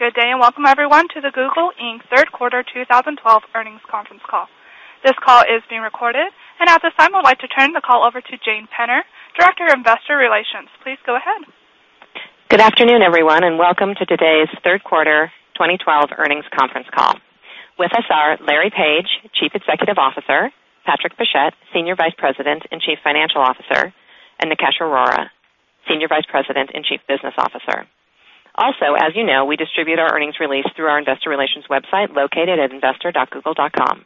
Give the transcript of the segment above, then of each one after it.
Good day and welcome, everyone, to the Google Inc. third quarter 2012 earnings conference call. This call is being recorded, and at this time, I'd like to turn the call over to Jane Penner, Director of Investor Relations. Please go ahead. Good afternoon, everyone, and welcome to today's third quarter 2012 earnings conference call. With us are Larry Page, Chief Executive Officer, Patrick Pichette, Senior Vice President and Chief Financial Officer, and Nikesh Arora, Senior Vice President and Chief Business Officer. Also, as you know, we distribute our earnings release through our Investor Relations website located at investor.google.com.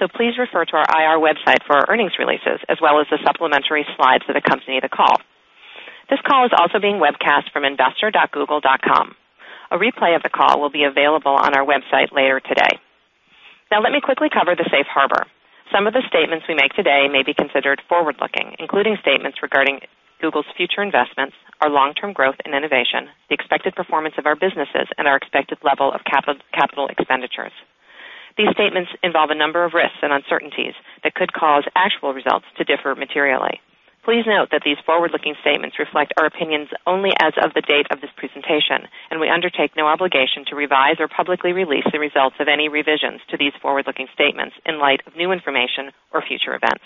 So please refer to our IR website for our earnings releases, as well as the supplementary slides that accompany the call. This call is also being webcast from investor.google.com. A replay of the call will be available on our website later today. Now, let me quickly cover the safe harbor. Some of the statements we make today may be considered forward-looking, including statements regarding Google's future investments, our long-term growth and innovation, the expected performance of our businesses, and our expected level of capital expenditures. These statements involve a number of risks and uncertainties that could cause actual results to differ materially. Please note that these forward-looking statements reflect our opinions only as of the date of this presentation, and we undertake no obligation to revise or publicly release the results of any revisions to these forward-looking statements in light of new information or future events.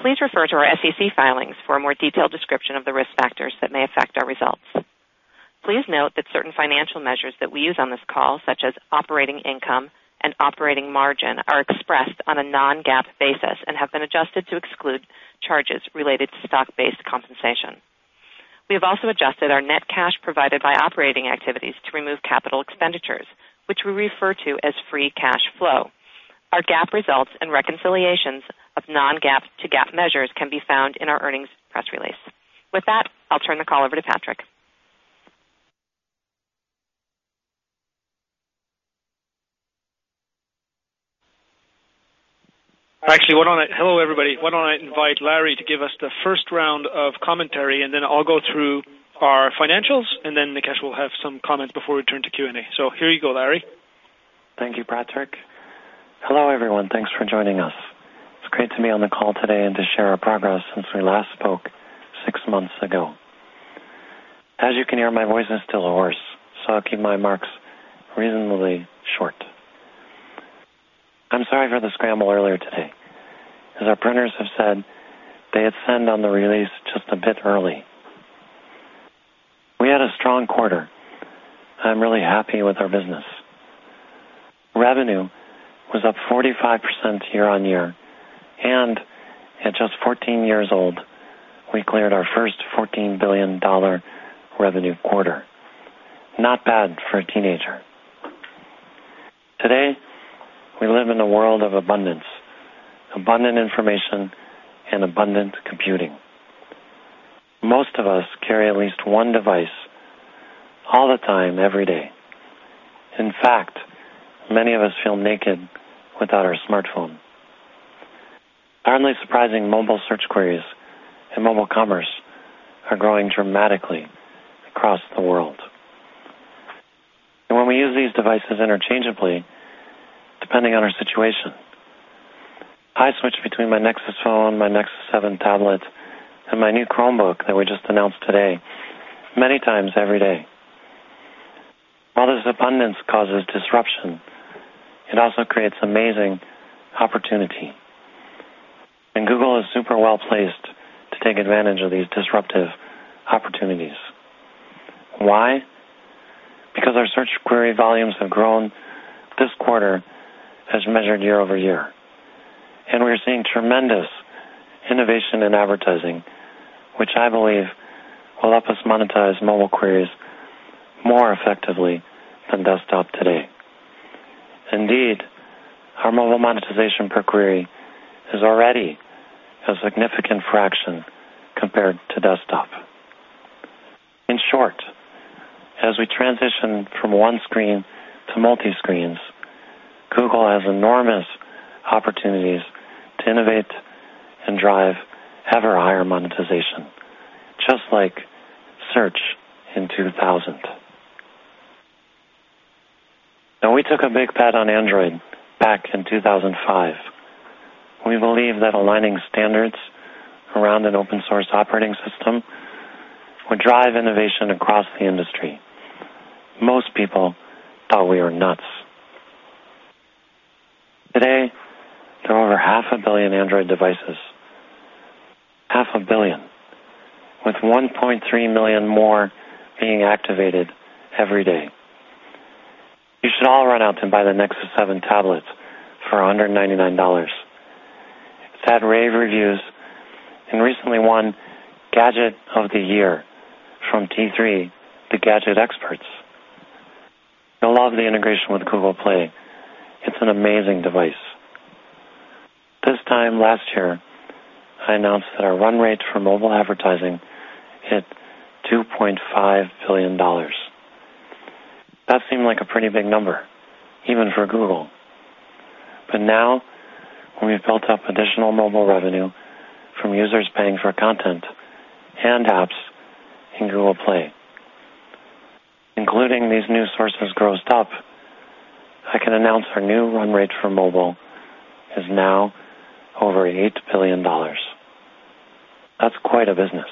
Please refer to our SEC filings for a more detailed description of the risk factors that may affect our results. Please note that certain financial measures that we use on this call, such as operating income and operating margin, are expressed on a non-GAAP basis and have been adjusted to exclude charges related to stock-based compensation. We have also adjusted our net cash provided by operating activities to remove capital expenditures, which we refer to as free cash flow. Our GAAP results and reconciliations of non-GAAP to GAAP measures can be found in our earnings press release. With that, I'll turn the call over to Patrick. Actually, why don't I— hello, everybody. Why don't I invite Larry to give us the first round of commentary, and then I'll go through our financials, and then Nikesh will have some comments before we turn to Q&A, so here you go, Larry. Thank you, Patrick. Hello, everyone. Thanks for joining us. It's great to be on the call today and to share our progress since we last spoke six months ago. As you can hear, my voice is still hoarse, so I'll keep my remarks reasonably short. I'm sorry for the scramble earlier today. As our IR team has said, they had sent out the release just a bit early. We had a strong quarter. I'm really happy with our business. Revenue was up 45% year on year, and at just 14 years old, we cleared our first $14 billion revenue quarter. Not bad for a teenager. Today, we live in a world of abundance: abundant information and abundant computing. Most of us carry at least one device all the time, every day. In fact, many of us feel naked without our smartphone. Apparently surprising, mobile search queries and mobile commerce are growing dramatically across the world, and when we use these devices interchangeably, depending on our situation, I switch between my Nexus phone, my Nexus 7 tablet, and my new Chromebook that we just announced today many times every day. While this abundance causes disruption, it also creates amazing opportunity, and Google is super well placed to take advantage of these disruptive opportunities. Why? Because our search query volumes have grown this quarter, as measured year over year, and we're seeing tremendous innovation in advertising, which I believe will help us monetize mobile queries more effectively than desktop today. Indeed, our mobile monetization per query is already a significant fraction compared to desktop. In short, as we transition from one screen to multi-screens, Google has enormous opportunities to innovate and drive ever higher monetization, just like search in 2000. Now, we took a big bet on Android back in 2005. We believed that aligning standards around an open-source operating system would drive innovation across the industry. Most people thought we were nuts. Today, there are over 500 million Android devices - 500 million - with 1.3 million more being activated every day. You should all run out and buy the Nexus 7 tablets for $199. It's had rave reviews and recently won Gadget of the Year from T3, the gadget experts. You'll love the integration with Google Play. It's an amazing device. This time, last year, I announced that our run rate for mobile advertising hit $2.5 billion. That seemed like a pretty big number, even for Google. But now, when we've built up additional mobile revenue from users paying for content and apps in Google Play, including these new sources grossed up, I can announce our new run rate for mobile is now over $8 billion. That's quite a business.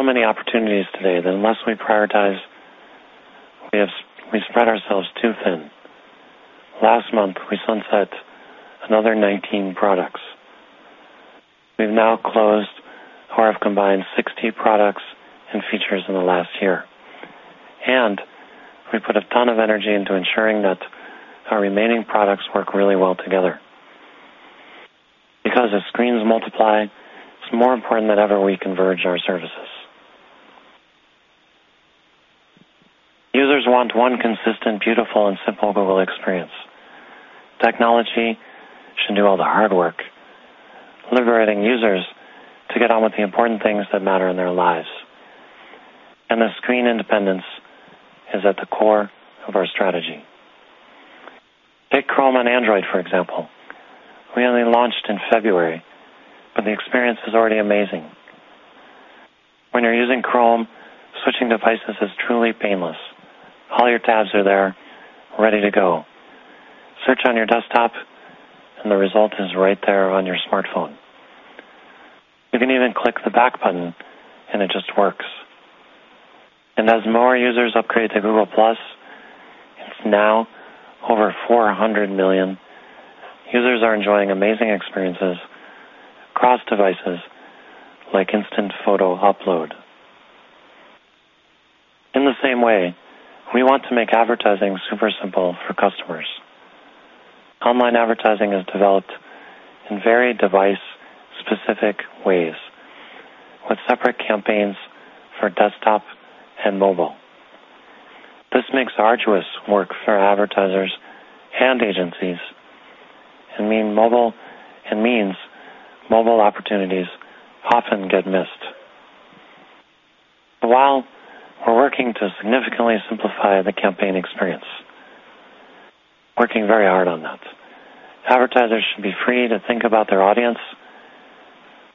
We have so many opportunities today that unless we prioritize, we spread ourselves too thin. Last month, we sunset another 19 products. We've now closed or have combined 60 products and features in the last year, and we put a ton of energy into ensuring that our remaining products work really well together. Because as screens multiply, it's more important than ever we converge our services. Users want one consistent, beautiful, and simple Google experience. Technology should do all the hard work, liberating users to get on with the important things that matter in their lives, and the screen independence is at the core of our strategy. Take Chrome on Android, for example. We only launched in February, but the experience is already amazing. When you're using Chrome, switching devices is truly painless. All your tabs are there, ready to go. Search on your desktop, and the result is right there on your smartphone. You can even click the back button, and it just works. And as more users upgrade to Google+, it's now over 400 million. Users are enjoying amazing experiences across devices, like instant photo upload. In the same way, we want to make advertising super simple for customers. Online advertising is developed in very device-specific ways, with separate campaigns for desktop and mobile. This makes arduous work for advertisers and agencies and means mobile opportunities often get missed. While we're working to significantly simplify the campaign experience, working very hard on that, advertisers should be free to think about their audience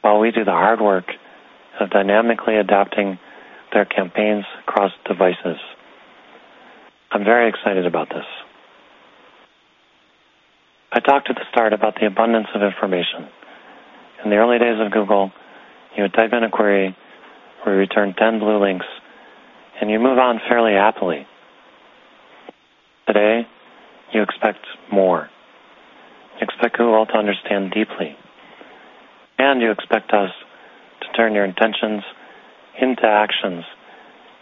while we do the hard work of dynamically adapting their campaigns across devices. I'm very excited about this. I talked at the start about the abundance of information. In the early days of Google, you would type in a query, or you return 10 blue links, and you move on fairly happily. Today, you expect more. You expect Google to understand deeply. And you expect us to turn your intentions into actions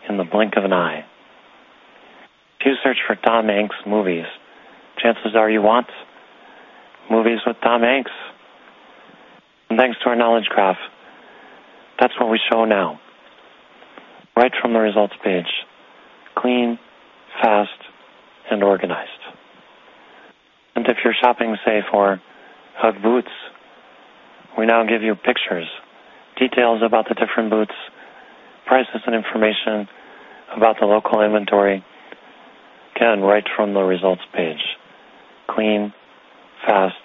in the blink of an eye. If you search for Tom Hanks movies, chances are you want movies with Tom Hanks. And thanks to our Knowledge Graph, that's what we show now, right from the results page: clean, fast, and organized. And if you're shopping, say, for UGG boots, we now give you pictures, details about the different boots, prices, and information about the local inventory again right from the results page: clean, fast,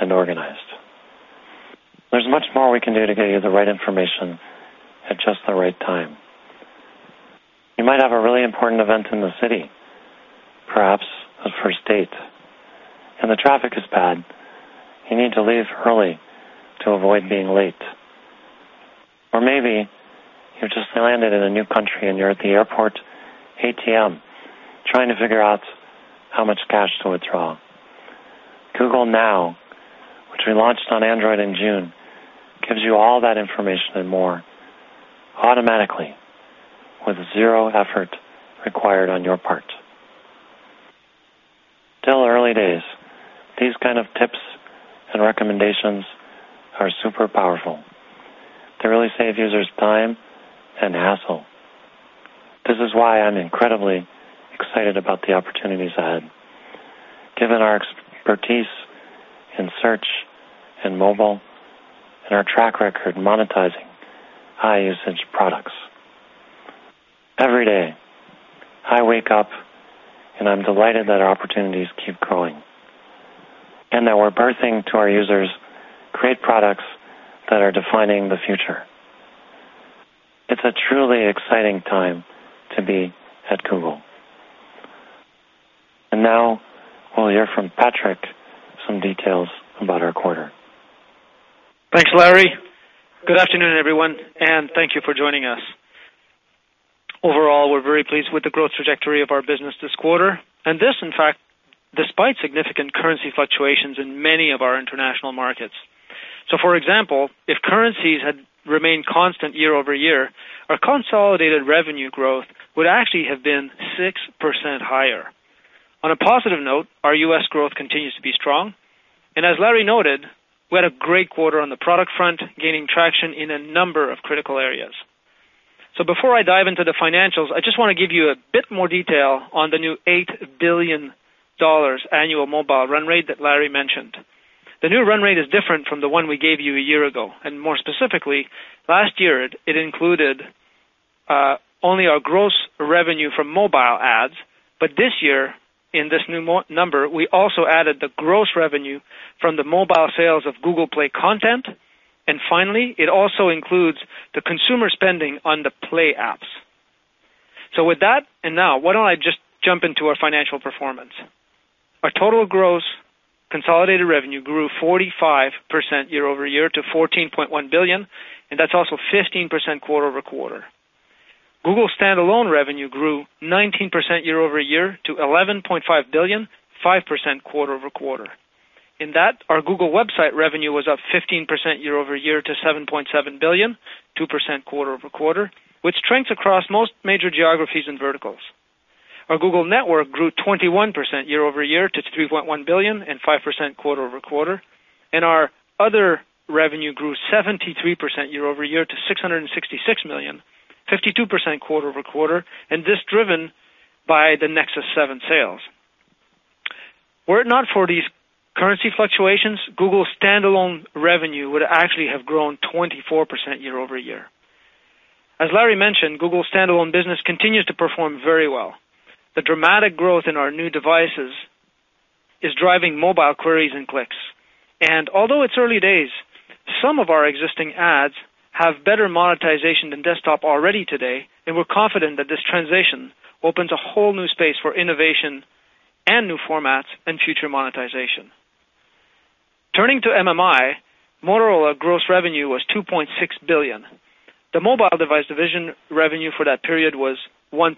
and organized. There's much more we can do to get you the right information at just the right time. You might have a really important event in the city, perhaps a first date. And the traffic is bad. You need to leave early to avoid being late. Or maybe you've just landed in a new country, and you're at the airport ATM trying to figure out how much cash to withdraw. Google Now, which we launched on Android in June, gives you all that information and more automatically, with zero effort required on your part. It's early days, these kinds of tips and recommendations are super powerful. They really save users time and hassle. This is why I'm incredibly excited about the opportunities ahead, given our expertise in search and mobile and our track record monetizing high-usage products. Every day, I wake up, and I'm delighted that our opportunities keep growing and that we're bringing to our users great products that are defining the future. It's a truly exciting time to be at Google, and now we'll hear from Patrick some details about our quarter. Thanks, Larry. Good afternoon, everyone, and thank you for joining us. Overall, we're very pleased with the growth trajectory of our business this quarter. And this, in fact, despite significant currency fluctuations in many of our international markets. So, for example, if currencies had remained constant year over year, our consolidated revenue growth would actually have been 6% higher. On a positive note, our U.S. growth continues to be strong. And as Larry noted, we had a great quarter on the product front, gaining traction in a number of critical areas. So before I dive into the financials, I just want to give you a bit more detail on the new $8 billion annual mobile run rate that Larry mentioned. The new run rate is different from the one we gave you a year ago. And more specifically, last year, it included only our gross revenue from mobile ads. But this year, in this new number, we also added the gross revenue from the mobile sales of Google Play content. And finally, it also includes the consumer spending on the Play apps. So with that, and now, why don't I just jump into our financial performance? Our total gross consolidated revenue grew 45% year over year to $14.1 billion. And that's also 15% quarter over quarter. Google standalone revenue grew 19% year over year to $11.5 billion, 5% quarter over quarter. In that, our Google website revenue was up 15% year over year to $7.7 billion, 2% quarter over quarter, with strengths across most major geographies and verticals. Our Google Network grew 21% year over year to $3.1 billion and 5% quarter over quarter. And our other revenue grew 73% year over year to $666 million, 52% quarter over quarter, and this driven by the Nexus 7 sales. Were it not for these currency fluctuations, Google standalone revenue would actually have grown 24% year over year. As Larry mentioned, Google standalone business continues to perform very well. The dramatic growth in our new devices is driving mobile queries and clicks. And although it's early days, some of our existing ads have better monetization than desktop already today. And we're confident that this transition opens a whole new space for innovation and new formats and future monetization. Turning to MMI, Motorola gross revenue was $2.6 billion. The Mobile Device division revenue for that period was $1.8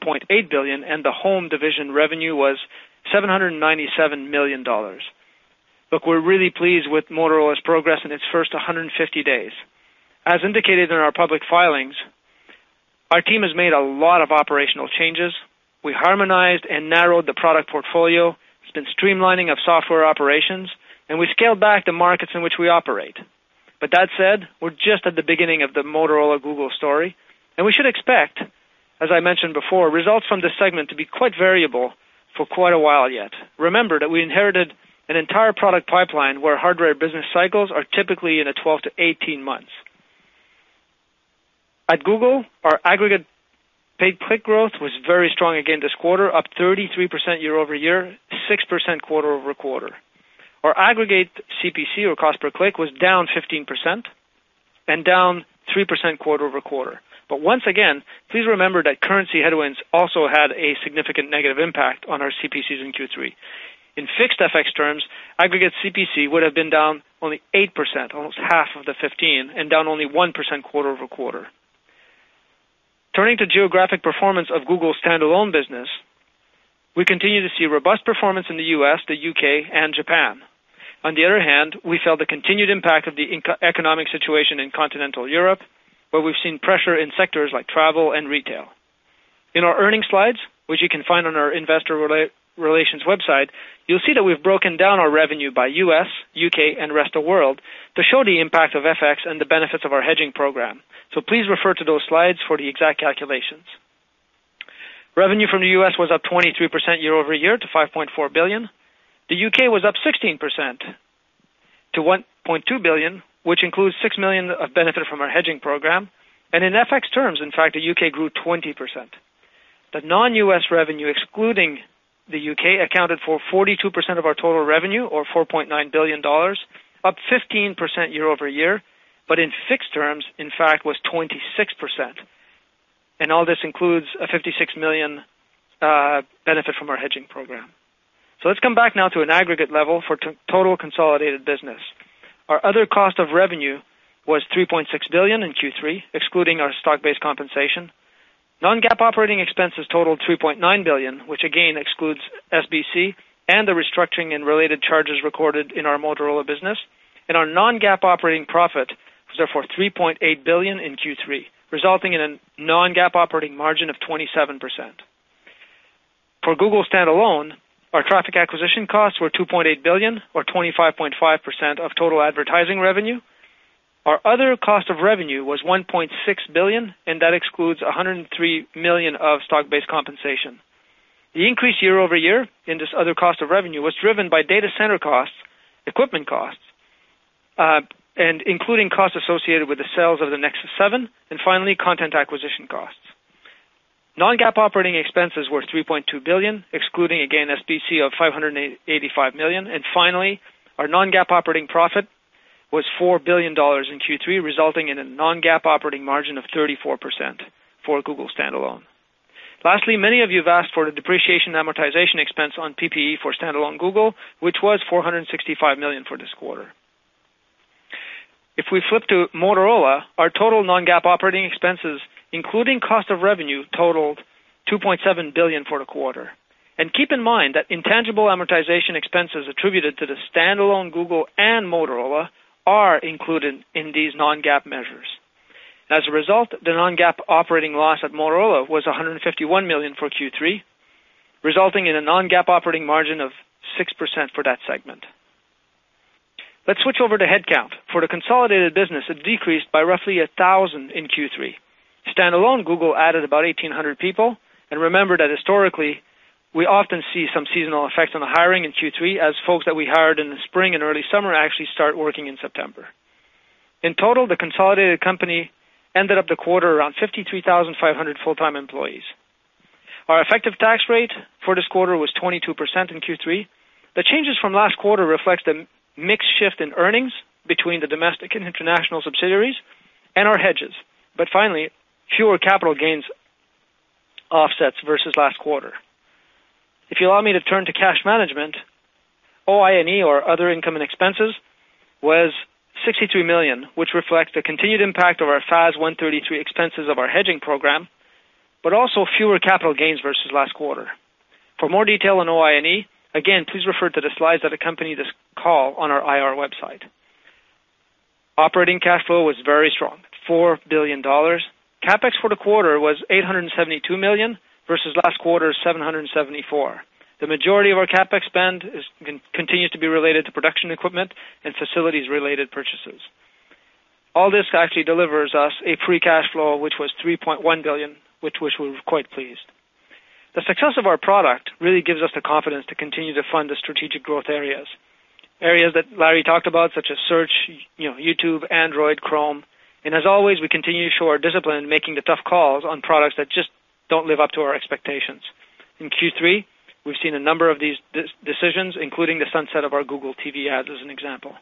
billion. And the Home division revenue was $797 million. Look, we're really pleased with Motorola's progress in its first 150 days. As indicated in our public filings, our team has made a lot of operational changes. We harmonized and narrowed the product portfolio. It's been streamlining of software operations. We scaled back the markets in which we operate. But that said, we're just at the beginning of the Motorola Google story. And we should expect, as I mentioned before, results from this segment to be quite variable for quite a while yet. Remember that we inherited an entire product pipeline where hardware business cycles are typically in 12-18 months. At Google, our aggregate paid click growth was very strong again this quarter, up 33% year over year, 6% quarter over quarter. Our aggregate CPC, or cost per click, was down 15% and down 3% quarter over quarter. But once again, please remember that currency headwinds also had a significant negative impact on our CPCs in Q3. In fixed FX terms, aggregate CPC would have been down only 8%, almost half of the 15, and down only 1% quarter over quarter. Turning to geographic performance of Google standalone business, we continue to see robust performance in the U.S., the U.K., and Japan. On the other hand, we feel the continued impact of the economic situation in Continental Europe, where we've seen pressure in sectors like travel and retail. In our earnings slides, which you can find on our investor relations website, you'll see that we've broken down our revenue by U.S., U.K., and rest of the world to show the impact of FX and the benefits of our hedging program. So please refer to those slides for the exact calculations. Revenue from the U.S. was up 23% year over year to $5.4 billion. The U.K. was up 16% to $1.2 billion, which includes $6 million of benefit from our hedging program. And in FX terms, in fact, the U.K. grew 20%. The non-U.S. revenue, excluding the U.K., accounted for 42% of our total revenue, or $4.9 billion, up 15% year over year. But in FX terms, in fact, was 26%. And all this includes a $56 million benefit from our hedging program. So let's come back now to an aggregate level for total consolidated business. Our other cost of revenue was $3.6 billion in Q3, excluding our stock-based compensation. Non-GAAP operating expenses totaled $3.9 billion, which again excludes SBC and the restructuring and related charges recorded in our Motorola business. And our non-GAAP operating profit was therefore $3.8 billion in Q3, resulting in a non-GAAP operating margin of 27%. For Google standalone, our traffic acquisition costs were $2.8 billion, or 25.5% of total advertising revenue. Our other cost of revenue was $1.6 billion. And that excludes $103 million of stock-based compensation. The increase year over year in this other cost of revenue was driven by data center costs, equipment costs, including costs associated with the sales of the Nexus 7, and finally, content acquisition costs. Non-GAAP operating expenses were $3.2 billion, excluding again SBC of $585 million. And finally, our non-GAAP operating profit was $4 billion in Q3, resulting in a non-GAAP operating margin of 34% for Google standalone. Lastly, many of you have asked for the depreciation amortization expense on PPE for standalone Google, which was $465 million for this quarter. If we flip to Motorola, our total non-GAAP operating expenses, including cost of revenue, totaled $2.7 billion for the quarter. And keep in mind that intangible amortization expenses attributed to the standalone Google and Motorola are included in these non-GAAP measures. As a result, the non-GAAP operating loss at Motorola was $151 million for Q3, resulting in a non-GAAP operating margin of 6% for that segment. Let's switch over to headcount. For the consolidated business, it decreased by roughly 1,000 in Q3. Standalone Google added about 1,800 people. And remember that historically, we often see some seasonal effect on the hiring in Q3, as folks that we hired in the spring and early summer actually start working in September. In total, the consolidated company ended up the quarter around 53,500 full-time employees. Our effective tax rate for this quarter was 22% in Q3. The changes from last quarter reflect the mixed shift in earnings between the domestic and international subsidiaries and our hedges. But finally, fewer capital gains offsets versus last quarter. If you allow me to turn to cash management, OI&E, or other income and expenses, was $63 million, which reflects the continued impact of our FAS 133 expenses of our hedging program, but also fewer capital gains versus last quarter. For more detail on OI&E, again, please refer to the slides that accompany this call on our IR website. Operating cash flow was very strong, $4 billion. CapEx for the quarter was $872 million versus last quarter's $774. The majority of our CapEx spend continues to be related to production equipment and facilities-related purchases. All this actually delivers us a free cash flow, which was $3.1 billion, with which we were quite pleased. The success of our product really gives us the confidence to continue to fund the strategic growth areas, areas that Larry talked about, such as search, YouTube, Android, Chrome. As always, we continue to show our discipline in making the tough calls on products that just don't live up to our expectations. In Q3, we've seen a number of these decisions, including the sunset of our Google TV Ads as an example.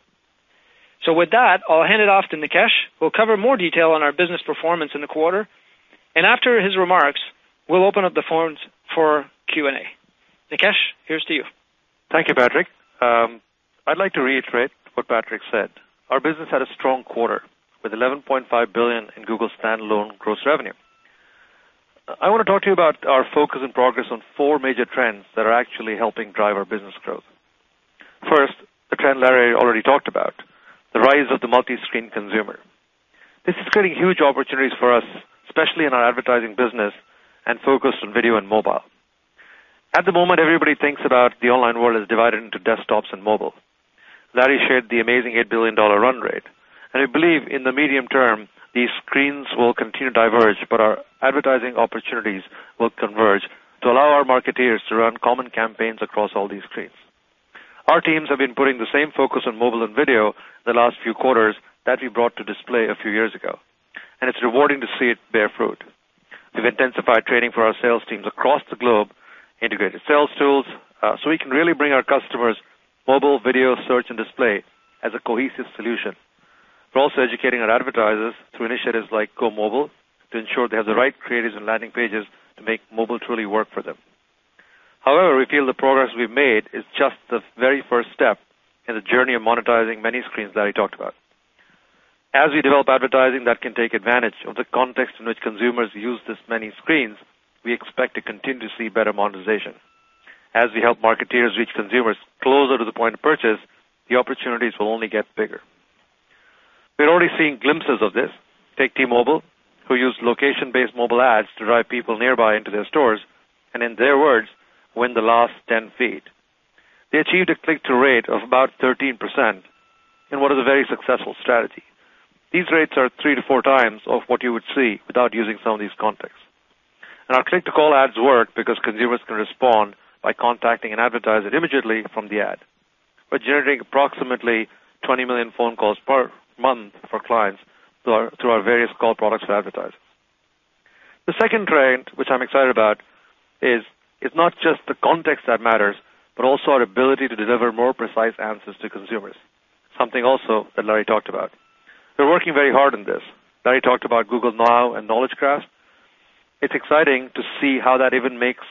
With that, I'll hand it off to Nikesh. We'll cover more detail on our business performance in the quarter. After his remarks, we'll open up the floor for Q&A. Nikesh, here's to you. Thank you, Patrick. I'd like to reiterate what Patrick said. Our business had a strong quarter with $11.5 billion in Google standalone gross revenue. I want to talk to you about our focus and progress on four major trends that are actually helping drive our business growth. First, the trend Larry already talked about, the rise of the multi-screen consumer. This is creating huge opportunities for us, especially in our advertising business and focused on video and mobile. At the moment, everybody thinks about the online world as divided into desktops and mobile. Larry shared the amazing $8 billion run rate. And we believe in the medium term, these screens will continue to diverge, but our advertising opportunities will converge to allow our marketeers to run common campaigns across all these screens. Our teams have been putting the same focus on mobile and video in the last few quarters that we brought to display a few years ago, and it's rewarding to see it bear fruit. We've intensified training for our sales teams across the globe, integrated sales tools, so we can really bring our customers mobile, video, search, and display as a cohesive solution. We're also educating our advertisers through initiatives like Go Mobile to ensure they have the right creators and landing pages to make mobile truly work for them. However, we feel the progress we've made is just the very first step in the journey of monetizing many screens Larry talked about. As we develop advertising that can take advantage of the context in which consumers use these many screens, we expect to continue to see better monetization. As we help marketeers reach consumers closer to the point of purchase, the opportunities will only get bigger. We're already seeing glimpses of this. Take T-Mobile, who used location-based mobile ads to drive people nearby into their stores, and in their words, "win the last 10 feet." They achieved a click-through rate of about 13% and was a very successful strategy. These rates are three to four times of what you would see without using some of these contexts, and our click-to-call ads work because consumers can respond by contacting an advertiser immediately from the ad, but generating approximately 20 million phone calls per month for clients through our various call products for advertisers. The second trend, which I'm excited about, is it's not just the context that matters, but also our ability to deliver more precise answers to consumers, something also that Larry talked about. We're working very hard on this. Larry talked about Google Now and Knowledge Graph. It's exciting to see how that even makes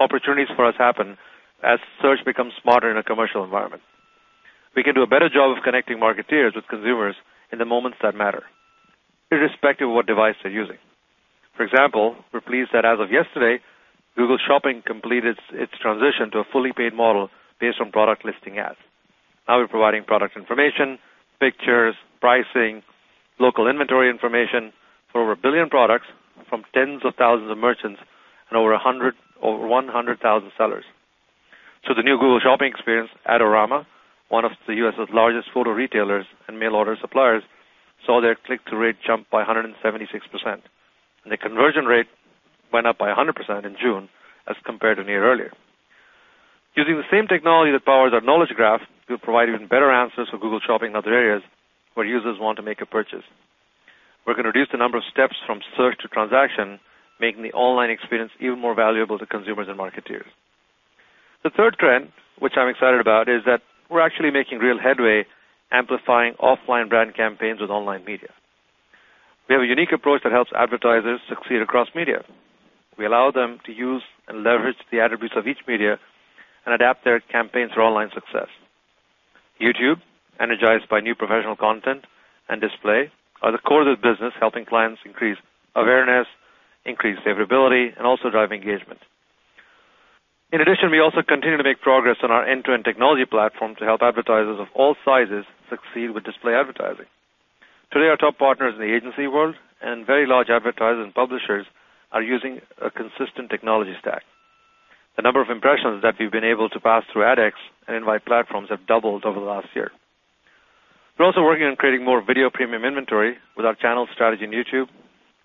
opportunities for us happen as search becomes smarter in a commercial environment. We can do a better job of connecting marketeers with consumers in the moments that matter, irrespective of what device they're using. For example, we're pleased that as of yesterday, Google Shopping completed its transition to a fully paid model based on Product Listing Ads. Now we're providing product information, pictures, pricing, local inventory information for over a billion products from tens of thousands of merchants and over 100,000 sellers. So the new Google Shopping experience at Adorama, one of the U.S.'s largest photo retailers and mail order suppliers, saw their click-through rate jump by 176%, and the conversion rate went up by 100% in June as compared to a year earlier. Using the same technology that powers our Knowledge Graph, we'll provide even better answers for Google Shopping and other areas where users want to make a purchase. We're going to reduce the number of steps from search to transaction, making the online experience even more valuable to consumers and marketeers. The third trend, which I'm excited about, is that we're actually making real headway, amplifying offline brand campaigns with online media. We have a unique approach that helps advertisers succeed across media. We allow them to use and leverage the attributes of each media and adapt their campaigns for online success. YouTube, energized by new professional content and display, are the core of the business, helping clients increase awareness, increase favorability, and also drive engagement. In addition, we also continue to make progress on our end-to-end technology platform to help advertisers of all sizes succeed with display advertising. Today, our top partners in the agency world and very large advertisers and publishers are using a consistent technology stack. The number of impressions that we've been able to pass through AdX and Invite platforms have doubled over the last year. We're also working on creating more video premium inventory with our channel strategy on YouTube.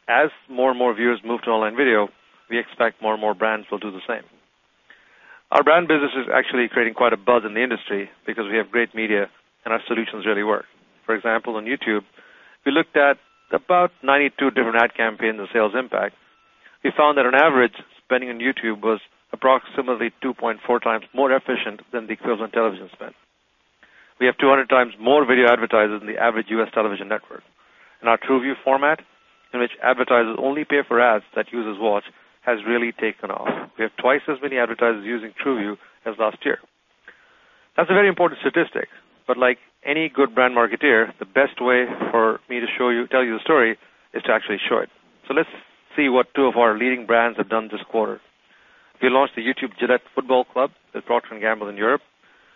As more and more viewers move to online video, we expect more and more brands will do the same. Our brand business is actually creating quite a buzz in the industry because we have great media and our solutions really work. For example, on YouTube, we looked at about 92 different ad campaigns and sales impact. We found that on average, spending on YouTube was approximately 2.4 times more efficient than the equivalent television spend. We have 200 times more video advertisers than the average U.S. television network. Our TrueView format, in which advertisers only pay for ads that users watch, has really taken off. We have twice as many advertisers using TrueView as last year. That's a very important statistic. But like any good brand marketer, the best way for me to tell you the story is to actually show it. So let's see what two of our leading brands have done this quarter. We launched the YouTube Gillette Football Club with Procter & Gamble in Europe.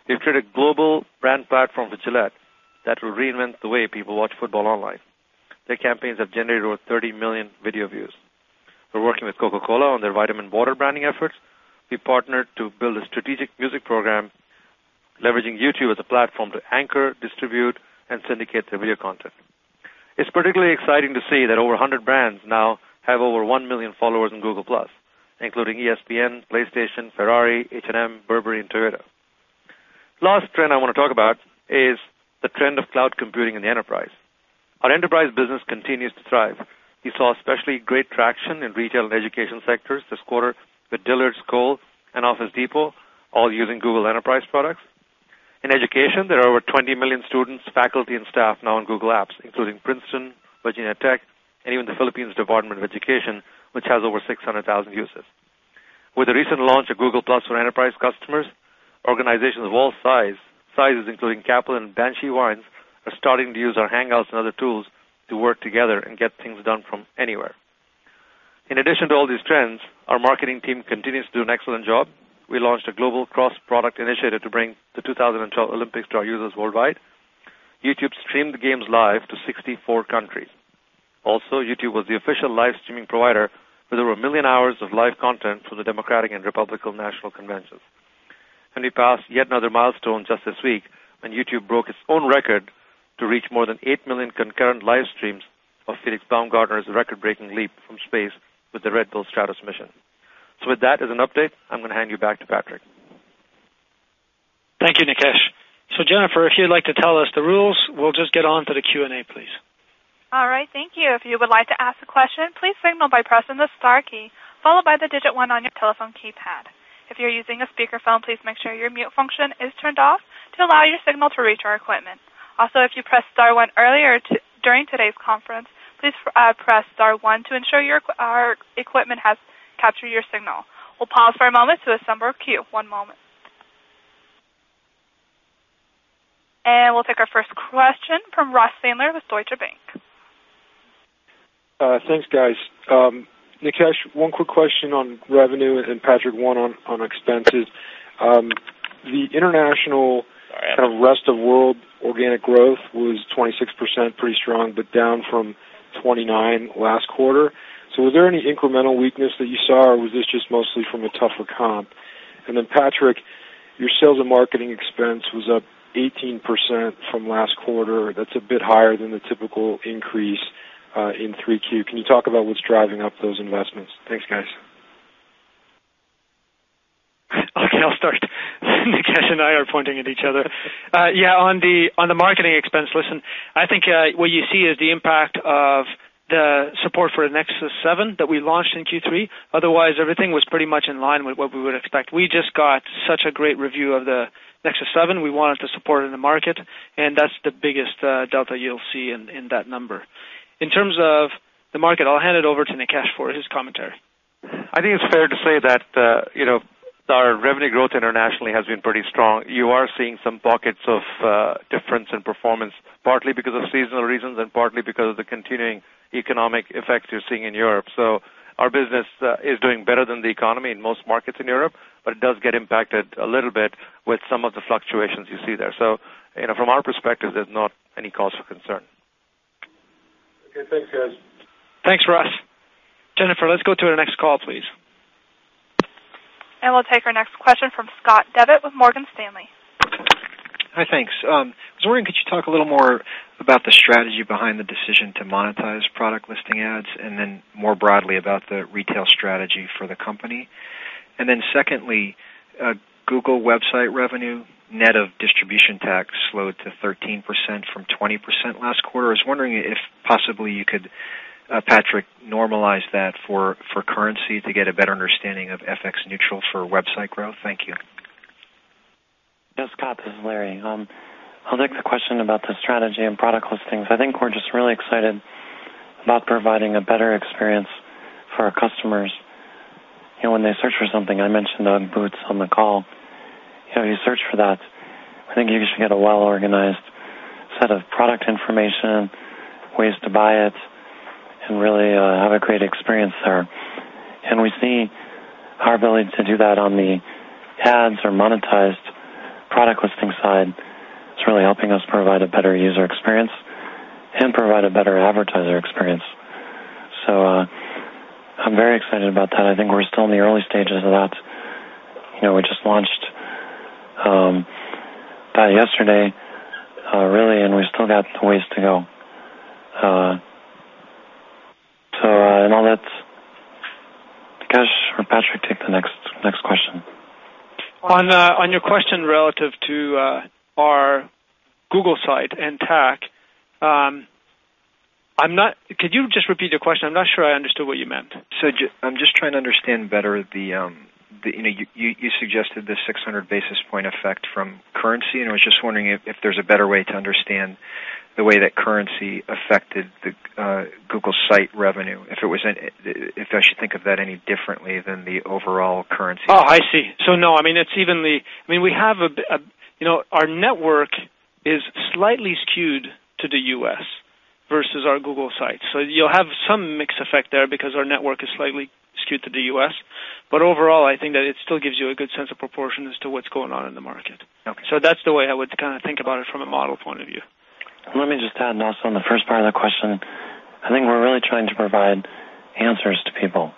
We've created a global brand platform for Gillette that will reinvent the way people watch football online. Their campaigns have generated over 30 million video views. We're working with Coca-Cola on their vitaminwater branding efforts. We partnered to build a strategic music program, leveraging YouTube as a platform to anchor, distribute, and syndicate their video content. It's particularly exciting to see that over 100 brands now have over 1 million followers on Google+, including ESPN, PlayStation, Ferrari, H&M, Burberry, and Toyota. The last trend I want to talk about is the trend of cloud computing in the enterprise. Our enterprise business continues to thrive. We saw especially great traction in retail and education sectors this quarter with Dillard's, Kohl's, and Office Depot, all using Google Enterprise products. In education, there are over 20 million students, faculty, and staff now on Google Apps, including Princeton, Virginia Tech, and even the Philippines Department of Education, which has over 600,000 users. With the recent launch of Google+ for enterprise customers, organizations of all sizes, including Kaplan and Banshee Wines, are starting to use our Hangouts and other tools to work together and get things done from anywhere. In addition to all these trends, our marketing team continues to do an excellent job. We launched a global cross-product initiative to bring the 2012 Olympics to our users worldwide. YouTube streamed the games live to 64 countries. Also, YouTube was the official live streaming provider with over a million hours of live content from the Democratic and Republican National Conventions. And we passed yet another milestone just this week when YouTube broke its own record to reach more than 8 million concurrent live streams of Felix Baumgartner's record-breaking leap from space with the Red Bull Stratos mission. So with that as an update, I'm going to hand you back to Patrick. Thank you, Nikesh. So Jennifer, if you'd like to tell us the rules, we'll just get on to the Q&A, please. All right. Thank you. If you would like to ask a question, please signal by pressing the star key, followed by the digit one on your telephone keypad. If you're using a speakerphone, please make sure your mute function is turned off to allow your signal to reach our equipment. Also, if you pressed star one earlier during today's conference, please press star one to ensure your equipment has captured your signal. We'll pause for a moment to assemble our queue. One moment. And we'll take our first question from Ross Sandler with Deutsche Bank. Thanks, guys. Nikesh, one quick question on revenue and Patrick, one on expenses. The international kind of rest of world organic growth was 26%, pretty strong, but down from 29% last quarter. So was there any incremental weakness that you saw, or was this just mostly from a tougher comp? And then Patrick, your sales and marketing expense was up 18% from last quarter. That's a bit higher than the typical increase in 3Q. Can you talk about what's driving up those investments? Thanks, guys. Okay. I'll start. Nikesh and I are pointing at each other. Yeah, on the marketing expense, listen, I think what you see is the impact of the support for Nexus 7 that we launched in Q3. Otherwise, everything was pretty much in line with what we would expect. We just got such a great review of the Nexus 7. We wanted to support it in the market, and that's the biggest delta you'll see in that number. In terms of the market, I'll hand it over to Nikesh for his commentary. I think it's fair to say that our revenue growth internationally has been pretty strong. You are seeing some pockets of difference in performance, partly because of seasonal reasons and partly because of the continuing economic effects you're seeing in Europe. So our business is doing better than the economy in most markets in Europe, but it does get impacted a little bit with some of the fluctuations you see there. So from our perspective, there's not any cause for concern. Okay. Thanks, guys. Thanks, Ross. Jennifer, let's go to the next call, please. We'll take our next question from Scott Devitt with Morgan Stanley. Hi, thanks. I was wondering if you could talk a little more about the strategy behind the decision to monetize Product Listing Ads and then more broadly about the retail strategy for the company, and then secondly, Google websites revenues, net of distribution tax, slowed to 13% from 20% last quarter. I was wondering if possibly you could, Patrick, normalize that for currency to get a better understanding of FX neutral for websites growth. Thank you. Yes, Scott. This is Larry. I'll take the question about the strategy and product listings. I think we're just really excited about providing a better experience for our customers. When they search for something, I mentioned UGG boots on the call. You search for that. I think you should get a well-organized set of product information, ways to buy it, and really have a great experience there. And we see our ability to do that on the ads or monetized product listing side is really helping us provide a better user experience and provide a better advertiser experience. So I'm very excited about that. I think we're still in the early stages of that. We just launched that yesterday, really, and we still got ways to go. So in all that, Nikesh or Patrick, take the next question. On your question relative to our Google site and TAC, could you just repeat your question? I'm not sure I understood what you meant. So I'm just trying to understand better that you suggested the 600 basis points effect from currency. And I was just wondering if there's a better way to understand the way that currency affected the Google website revenue, if I should think of that any differently than the overall currency. Oh, I see. So no, I mean, it's even. I mean, we have our network is slightly skewed to the U.S. versus our Google site. So you'll have some mixed effect there because our network is slightly skewed to the U.S. But overall, I think that it still gives you a good sense of proportion as to what's going on in the market. So that's the way I would kind of think about it from a model point of view. Let me just add also on the first part of the question. I think we're really trying to provide answers to people.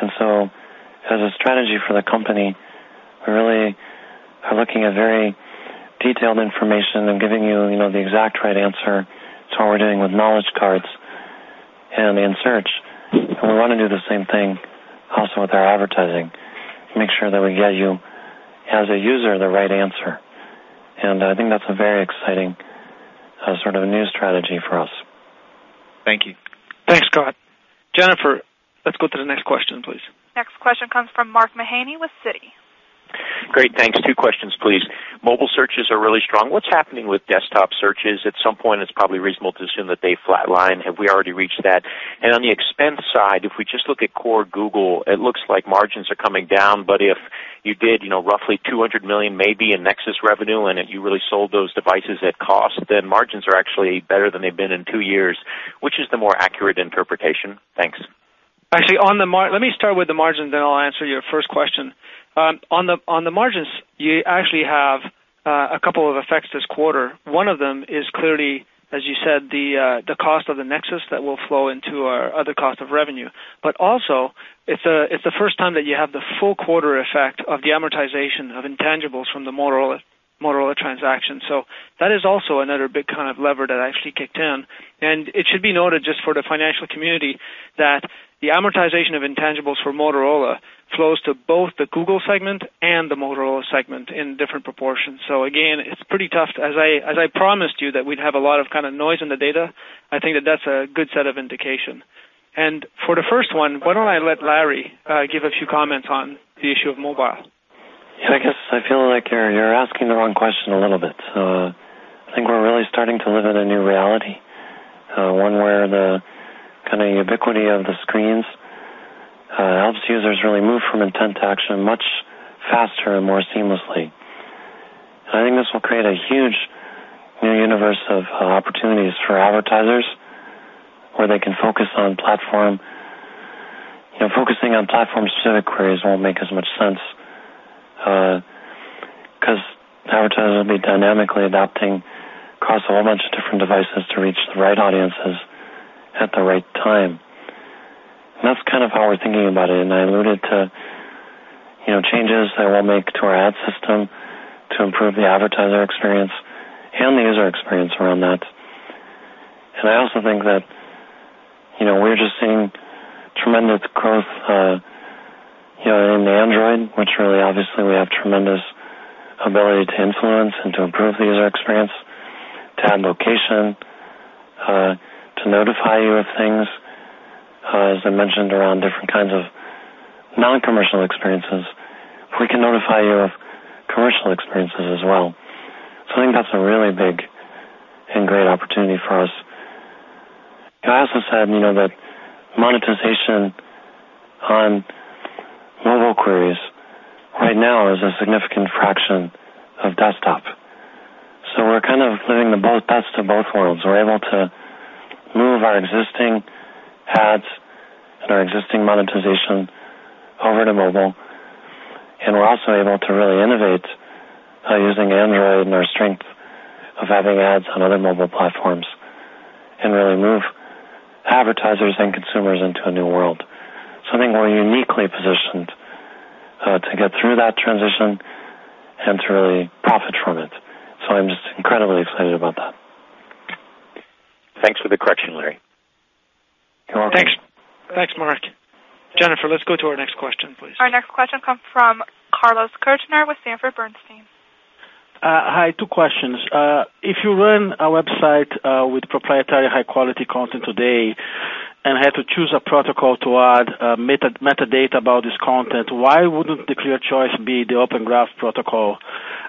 And so as a strategy for the company, we really are looking at very detailed information and giving you the exact right answer to what we're doing with Knowledge Graph and in search. And we want to do the same thing also with our advertising, make sure that we get you, as a user, the right answer. And I think that's a very exciting sort of new strategy for us. Thank you. Thanks, Scott. Jennifer, let's go to the next question, please. Next question comes from Mark Mahaney with Citi. Great. Thanks. Two questions, please. Mobile searches are really strong. What's happening with desktop searches? At some point, it's probably reasonable to assume that they flatline. Have we already reached that? And on the expense side, if we just look at core Google, it looks like margins are coming down. But if you did roughly $200 million, maybe, in Nexus revenue and you really sold those devices at cost, then margins are actually better than they've been in two years. Which is the more accurate interpretation? Thanks. Actually, let me start with the margins, then I'll answer your first question. On the margins, you actually have a couple of effects this quarter. One of them is clearly, as you said, the cost of the Nexus that will flow into our other cost of revenue. But also, it's the first time that you have the full quarter effect of the amortization of intangibles from the Motorola transaction. So that is also another big kind of lever that actually kicked in, and it should be noted just for the financial community that the amortization of intangibles for Motorola flows to both the Google segment and the Motorola segment in different proportions, so again, it's pretty tough. As I promised you that we'd have a lot of kind of noise in the data, I think that that's a good set of indication. For the first one, why don't I let Larry give a few comments on the issue of mobile? Yeah, I guess I feel like you're asking the wrong question a little bit. So I think we're really starting to live in a new reality, one where the kind of ubiquity of the screens helps users really move from intent to action much faster and more seamlessly. And I think this will create a huge new universe of opportunities for advertisers where they can focus on platform. Focusing on platform-specific queries won't make as much sense because advertisers will be dynamically adapting across a whole bunch of different devices to reach the right audiences at the right time. And that's kind of how we're thinking about it. And I alluded to changes that we'll make to our ad system to improve the advertiser experience and the user experience around that. And I also think that we're just seeing tremendous growth in Android, which really, obviously, we have tremendous ability to influence and to improve the user experience, to add location, to notify you of things, as I mentioned, around different kinds of non-commercial experiences. We can notify you of commercial experiences as well. So I think that's a really big and great opportunity for us. I also said that monetization on mobile queries right now is a significant fraction of desktop. So we're kind of living the best of both worlds. We're able to move our existing ads and our existing monetization over to mobile. And we're also able to really innovate by using Android and our strength of having ads on other mobile platforms and really move advertisers and consumers into a new world. So I think we're uniquely positioned to get through that transition and to really profit from it. So I'm just incredibly excited about that. Thanks for the correction, Larry. You're welcome. Thanks. Thanks, Mark. Jennifer, let's go to our next question, please. Our next question comes from Carlos Kirjner with Sanford Bernstein. Hi, two questions. If you run a website with proprietary high-quality content today and had to choose a protocol to add metadata about this content, why wouldn't the clear choice be the Open Graph protocol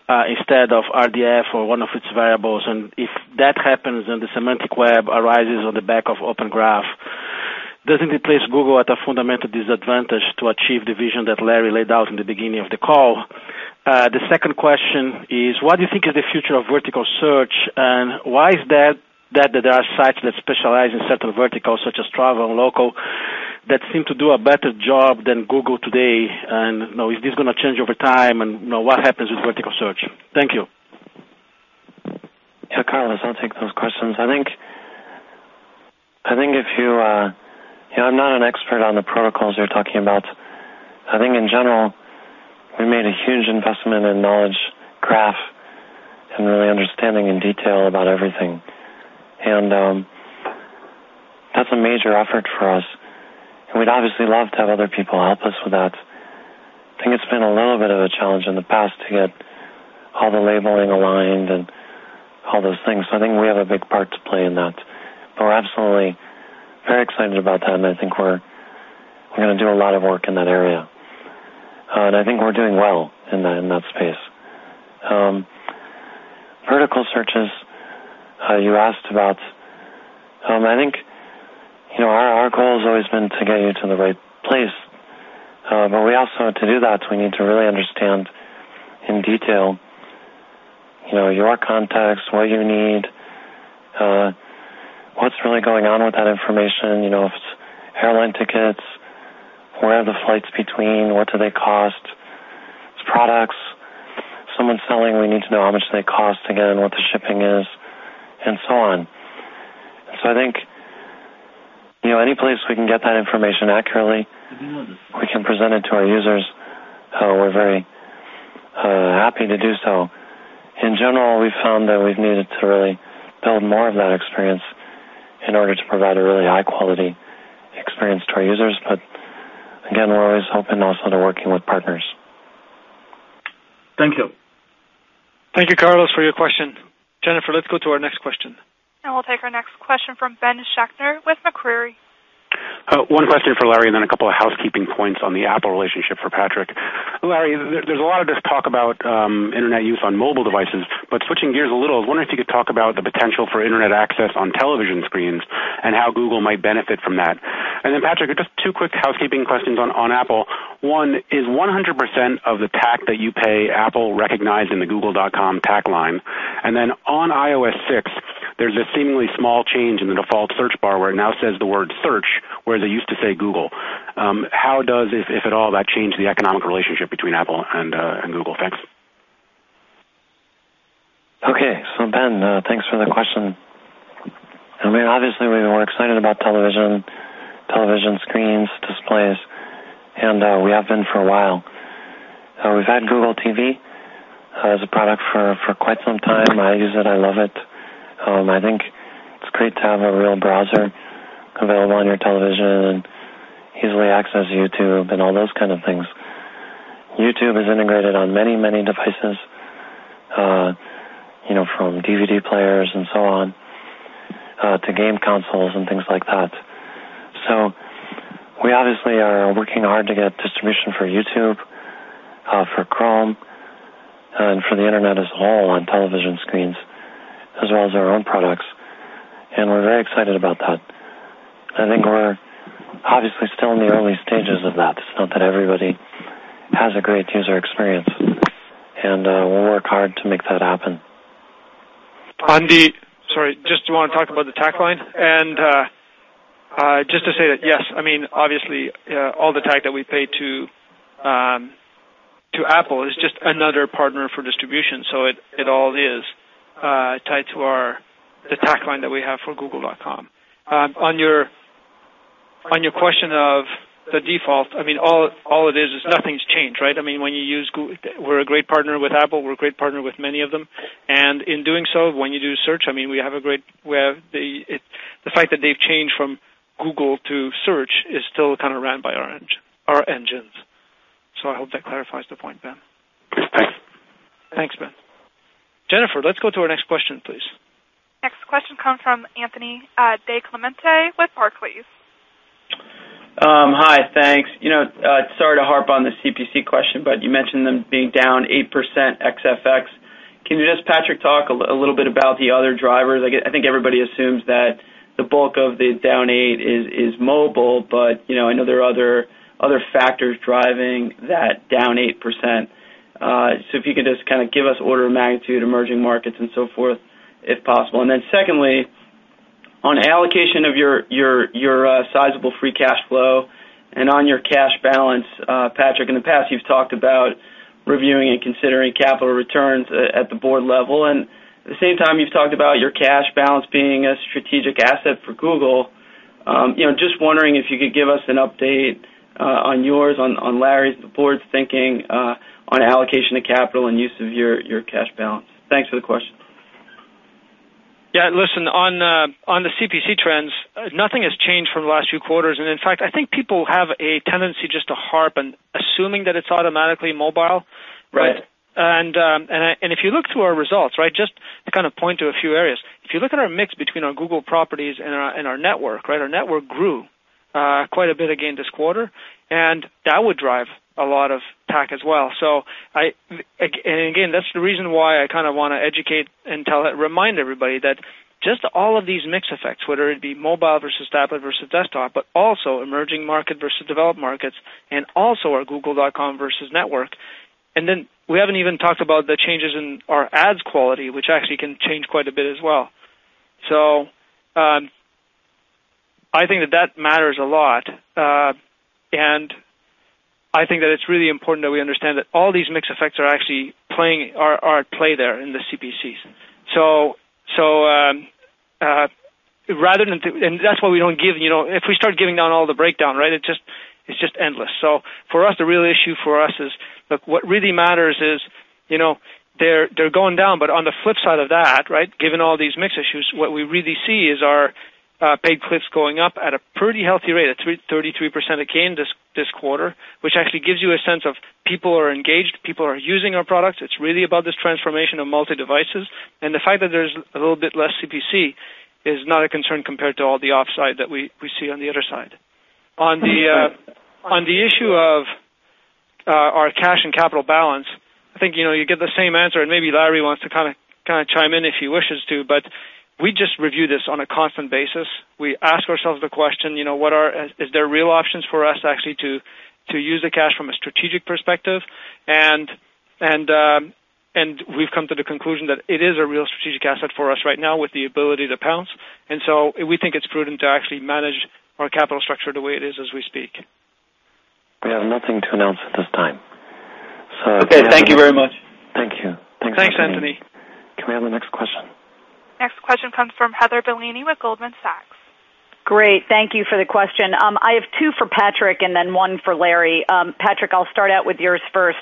instead of RDF or one of its variables? And if that happens and the semantic web arises on the back of Open Graph, doesn't it place Google at a fundamental disadvantage to achieve the vision that Larry laid out in the beginning of the call? The second question is, what do you think is the future of vertical search? And why is that, that there are sites that specialize in certain verticals, such as travel and local, that seem to do a better job than Google today? And is this going to change over time? And what happens with vertical search? Thank you. Yeah, Carlos, I'll take those questions. I think if you're not an expert on the protocols you're talking about, I think in general, we made a huge investment in Knowledge Graph and really understanding in detail about everything. And that's a major effort for us. And we'd obviously love to have other people help us with that. I think it's been a little bit of a challenge in the past to get all the labeling aligned and all those things. So I think we have a big part to play in that. But we're absolutely very excited about that. And I think we're going to do a lot of work in that area. And I think we're doing well in that space. Vertical searches, you asked about. I think our goal has always been to get you to the right place. But we also, to do that, we need to really understand in detail your context, what you need, what's really going on with that information, if it's airline tickets, where are the flights between, what do they cost, products, someone selling, we need to know how much they cost, again, what the shipping is, and so on. So I think any place we can get that information accurately, we can present it to our users. We're very happy to do so. In general, we found that we've needed to really build more of that experience in order to provide a really high-quality experience to our users. But again, we're always open also to working with partners. Thank you. Thank you, Carlos, for your question. Jennifer, let's go to our next question. We'll take our next question from Ben Schachter with Macquarie. One question for Larry, and then a couple of housekeeping points on the Apple relationship for Patrick. Larry, there's a lot of this talk about internet use on mobile devices. But switching gears a little, I was wondering if you could talk about the potential for internet access on television screens and how Google might benefit from that. And then, Patrick, just two quick housekeeping questions on Apple. One is, 100% of the TAC that you pay Apple recognized in the Google.com TAC line. And then on iOS 6, there's a seemingly small change in the default search bar where it now says the word search, whereas it used to say Google. How does, if at all, that change the economic relationship between Apple and Google? Thanks. Okay, so Ben, thanks for the question. I mean, obviously, we're excited about television, television screens, displays, and we have been for a while. We've had Google TV as a product for quite some time. I use it. I love it. I think it's great to have a real browser available on your television and easily access YouTube and all those kind of things. YouTube is integrated on many, many devices, from DVD players and so on to game consoles and things like that, so we obviously are working hard to get distribution for YouTube, for Chrome, and for the internet as a whole on television screens, as well as our own products, and we're very excited about that. I think we're obviously still in the early stages of that. It's not that everybody has a great user experience, and we'll work hard to make that happen. On the, sorry, just do you want to talk about the TAC line? And just to say that, yes, I mean, obviously, all the TAC that we pay to Apple is just another partner for distribution. So it all is tied to the TAC line that we have for Google.com. On your question of the default, I mean, all it is is nothing's changed, right? I mean, when you use Google, we're a great partner with Apple. We're a great partner with many of them. And in doing so, when you do search, I mean, we have a great the fact that they've changed from Google to search is still kind of run by our engines. So I hope that clarifies the point, Ben. Thanks. Thanks, Ben. Jennifer, let's go to our next question, please. Next question comes from Anthony DiClemente with Barclays. Hi, thanks. Sorry to harp on the CPC question, but you mentioned them being down 8% ex-FX. Can you just, Patrick, talk a little bit about the other drivers? I think everybody assumes that the bulk of the down 8 is mobile. But I know there are other factors driving that down 8%. So if you could just kind of give us order of magnitude, emerging markets, and so forth, if possible. And then secondly, on allocation of your sizable free cash flow and on your cash balance, Patrick, in the past, you've talked about reviewing and considering capital returns at the board level. And at the same time, you've talked about your cash balance being a strategic asset for Google. Just wondering if you could give us an update on yours, on Larry's board's thinking on allocation of capital and use of your cash balance. Thanks for the question. Yeah. Listen, on the CPC trends, nothing has changed from the last few quarters. And in fact, I think people have a tendency just to harp on assuming that it's automatically mobile. And if you look through our results, right, just to kind of point to a few areas, if you look at our mix between our Google properties and our network, right, our network grew quite a bit again this quarter. And that would drive a lot of TAC as well. And again, that's the reason why I kind of want to educate and remind everybody that just all of these mix effects, whether it be mobile versus tablet versus desktop, but also emerging market versus developed markets, and also our Google.com versus network. And then we haven't even talked about the changes in our ads quality, which actually can change quite a bit as well. So I think that that matters a lot. And I think that it's really important that we understand that all these mix effects are actually at play there in the CPCs. So rather than, and that's why we don't give, if we start breaking down all the breakdown, right, it's just endless. So for us, the real issue for us is, look, what really matters is they're going down. But on the flip side of that, right, given all these mix issues, what we really see is our paid clicks going up at a pretty healthy rate, at 33% again this quarter, which actually gives you a sense of people are engaged, people are using our products. It's really about this transformation of multi-devices. And the fact that there's a little bit less CPC is not a concern compared to all the upside that we see on the other side. On the issue of our cash and capital balance, I think you get the same answer, and maybe Larry wants to kind of chime in if he wishes to, but we just review this on a constant basis. We ask ourselves the question, is there real options for us actually to use the cash from a strategic perspective, and we've come to the conclusion that it is a real strategic asset for us right now with the ability to pounce, and so we think it's prudent to actually manage our capital structure the way it is as we speak. We have nothing to announce at this time. So. Okay. Thank you very much. Thank you. Thanks, Anthony. Thanks, Anthony. Can we have the next question? Next question comes from Heather Bellini with Goldman Sachs. Great. Thank you for the question. I have two for Patrick and then one for Larry. Patrick, I'll start out with yours first.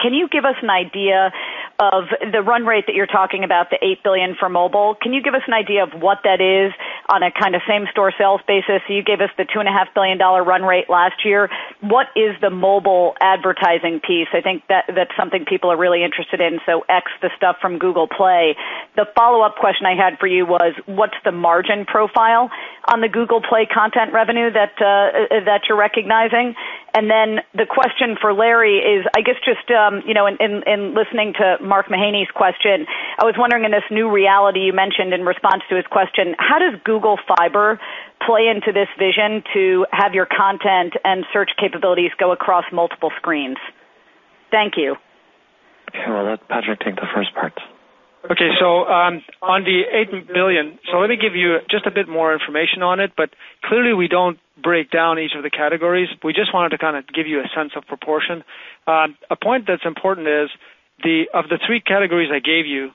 Can you give us an idea of the run rate that you're talking about, the $8 billion for mobile? Can you give us an idea of what that is on a kind of same-store sales basis? You gave us the $2.5 billion run rate last year. What is the mobile advertising piece? I think that's something people are really interested in. So, ex the stuff from Google Play. The follow-up question I had for you was, what's the margin profile on the Google Play content revenue that you're recognizing? And then the question for Larry is, I guess, just in listening to Mark Mahaney's question, I was wondering, in this new reality you mentioned in response to his question, how does Google Fiber play into this vision to have your content and search capabilities go across multiple screens? Thank you. Let Patrick take the first part. Okay. So on the $8 billion, so let me give you just a bit more information on it. But clearly, we don't break down each of the categories. We just wanted to kind of give you a sense of proportion. A point that's important is, of the three categories I gave you,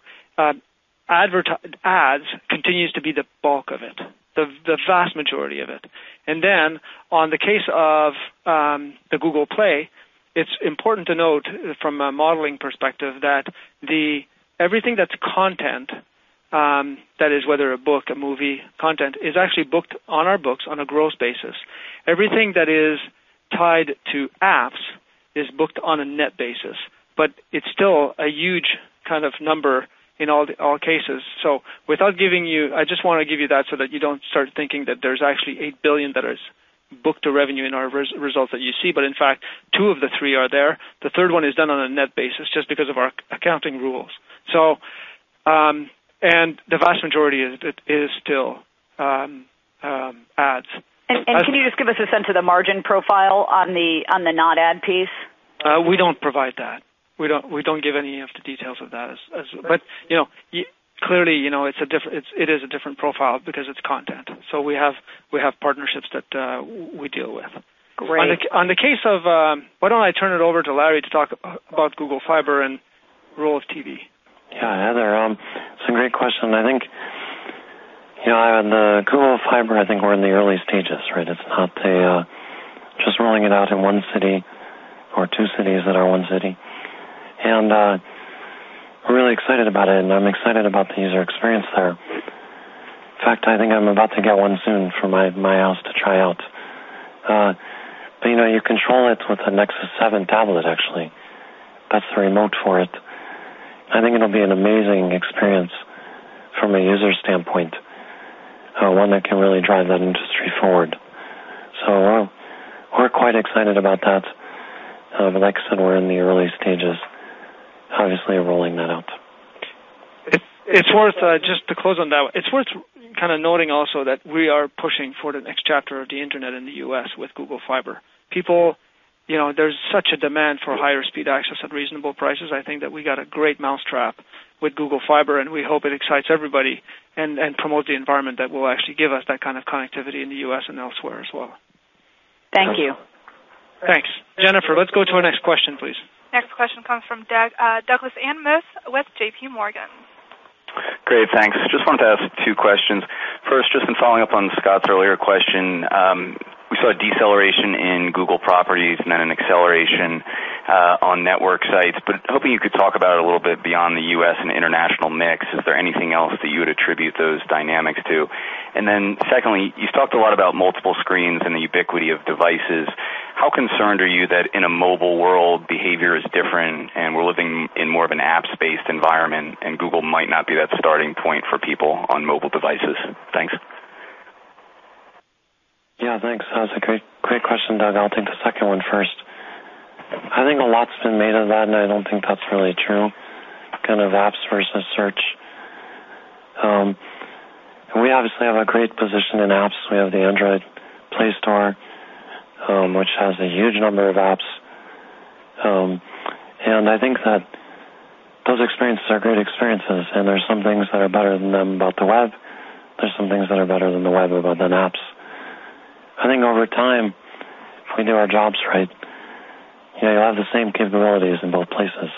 ads continues to be the bulk of it, the vast majority of it. And then on the case of the Google Play, it's important to note from a modeling perspective that everything that's content, that is whether a book, a movie, content, is actually booked on our books on a gross basis. Everything that is tied to apps is booked on a net basis. But it's still a huge kind of number in all cases. So without giving you, I just want to give you that so that you don't start thinking that there's actually $8 billion that is booked to revenue in our results that you see. But in fact, two of the three are there. The third one is done on a net basis just because of our accounting rules. And the vast majority is still ads. Can you just give us a sense of the margin profile on the non-ad piece? We don't provide that. We don't give any of the details of that, but clearly, it is a different profile because it's content, so we have partnerships that we deal with. Great. Why don't I turn it over to Larry to talk about Google Fiber and role of TV? Yeah. Heather, that's a great question. I think on the Google Fiber, I think we're in the early stages, right? It's not just rolling it out in one city or two cities that are one city. And we're really excited about it. And I'm excited about the user experience there. In fact, I think I'm about to get one soon for my house to try out. But you control it with a Nexus 7 tablet, actually. That's the remote for it. I think it'll be an amazing experience from a user standpoint, one that can really drive that industry forward. So we're quite excited about that. But like I said, we're in the early stages, obviously rolling that out. It's worth just to close on that. It's worth kind of noting also that we are pushing for the next chapter of the internet in the U.S. with Google Fiber. People, there's such a demand for higher speed access at reasonable prices. I think that we got a great mousetrap with Google Fiber, and we hope it excites everybody and promotes the environment that will actually give us that kind of connectivity in the U.S. and elsewhere as well. Thank you. Thanks. Jennifer, let's go to our next question, please. Next question comes from Douglas Anmuth with JPMorgan. Great. Thanks. Just wanted to ask two questions. First, just in following up on Scott's earlier question, we saw a deceleration in Google properties and then an acceleration on network sites. But hoping you could talk about it a little bit beyond the U.S. and international mix. Is there anything else that you would attribute those dynamics to? And then secondly, you've talked a lot about multiple screens and the ubiquity of devices. How concerned are you that in a mobile world, behavior is different and we're living in more of an apps-based environment and Google might not be that starting point for people on mobile devices? Thanks. Yeah. Thanks. That's a great question, Doug. I'll take the second one first. I think a lot's been made of that. And I don't think that's really true, kind of apps versus search. We obviously have a great position in apps. We have the Android Play Store, which has a huge number of apps. And I think that those experiences are great experiences. And there's some things that are better than them about the web. There's some things that are better than the web about than apps. I think over time, if we do our jobs right, you'll have the same capabilities in both places.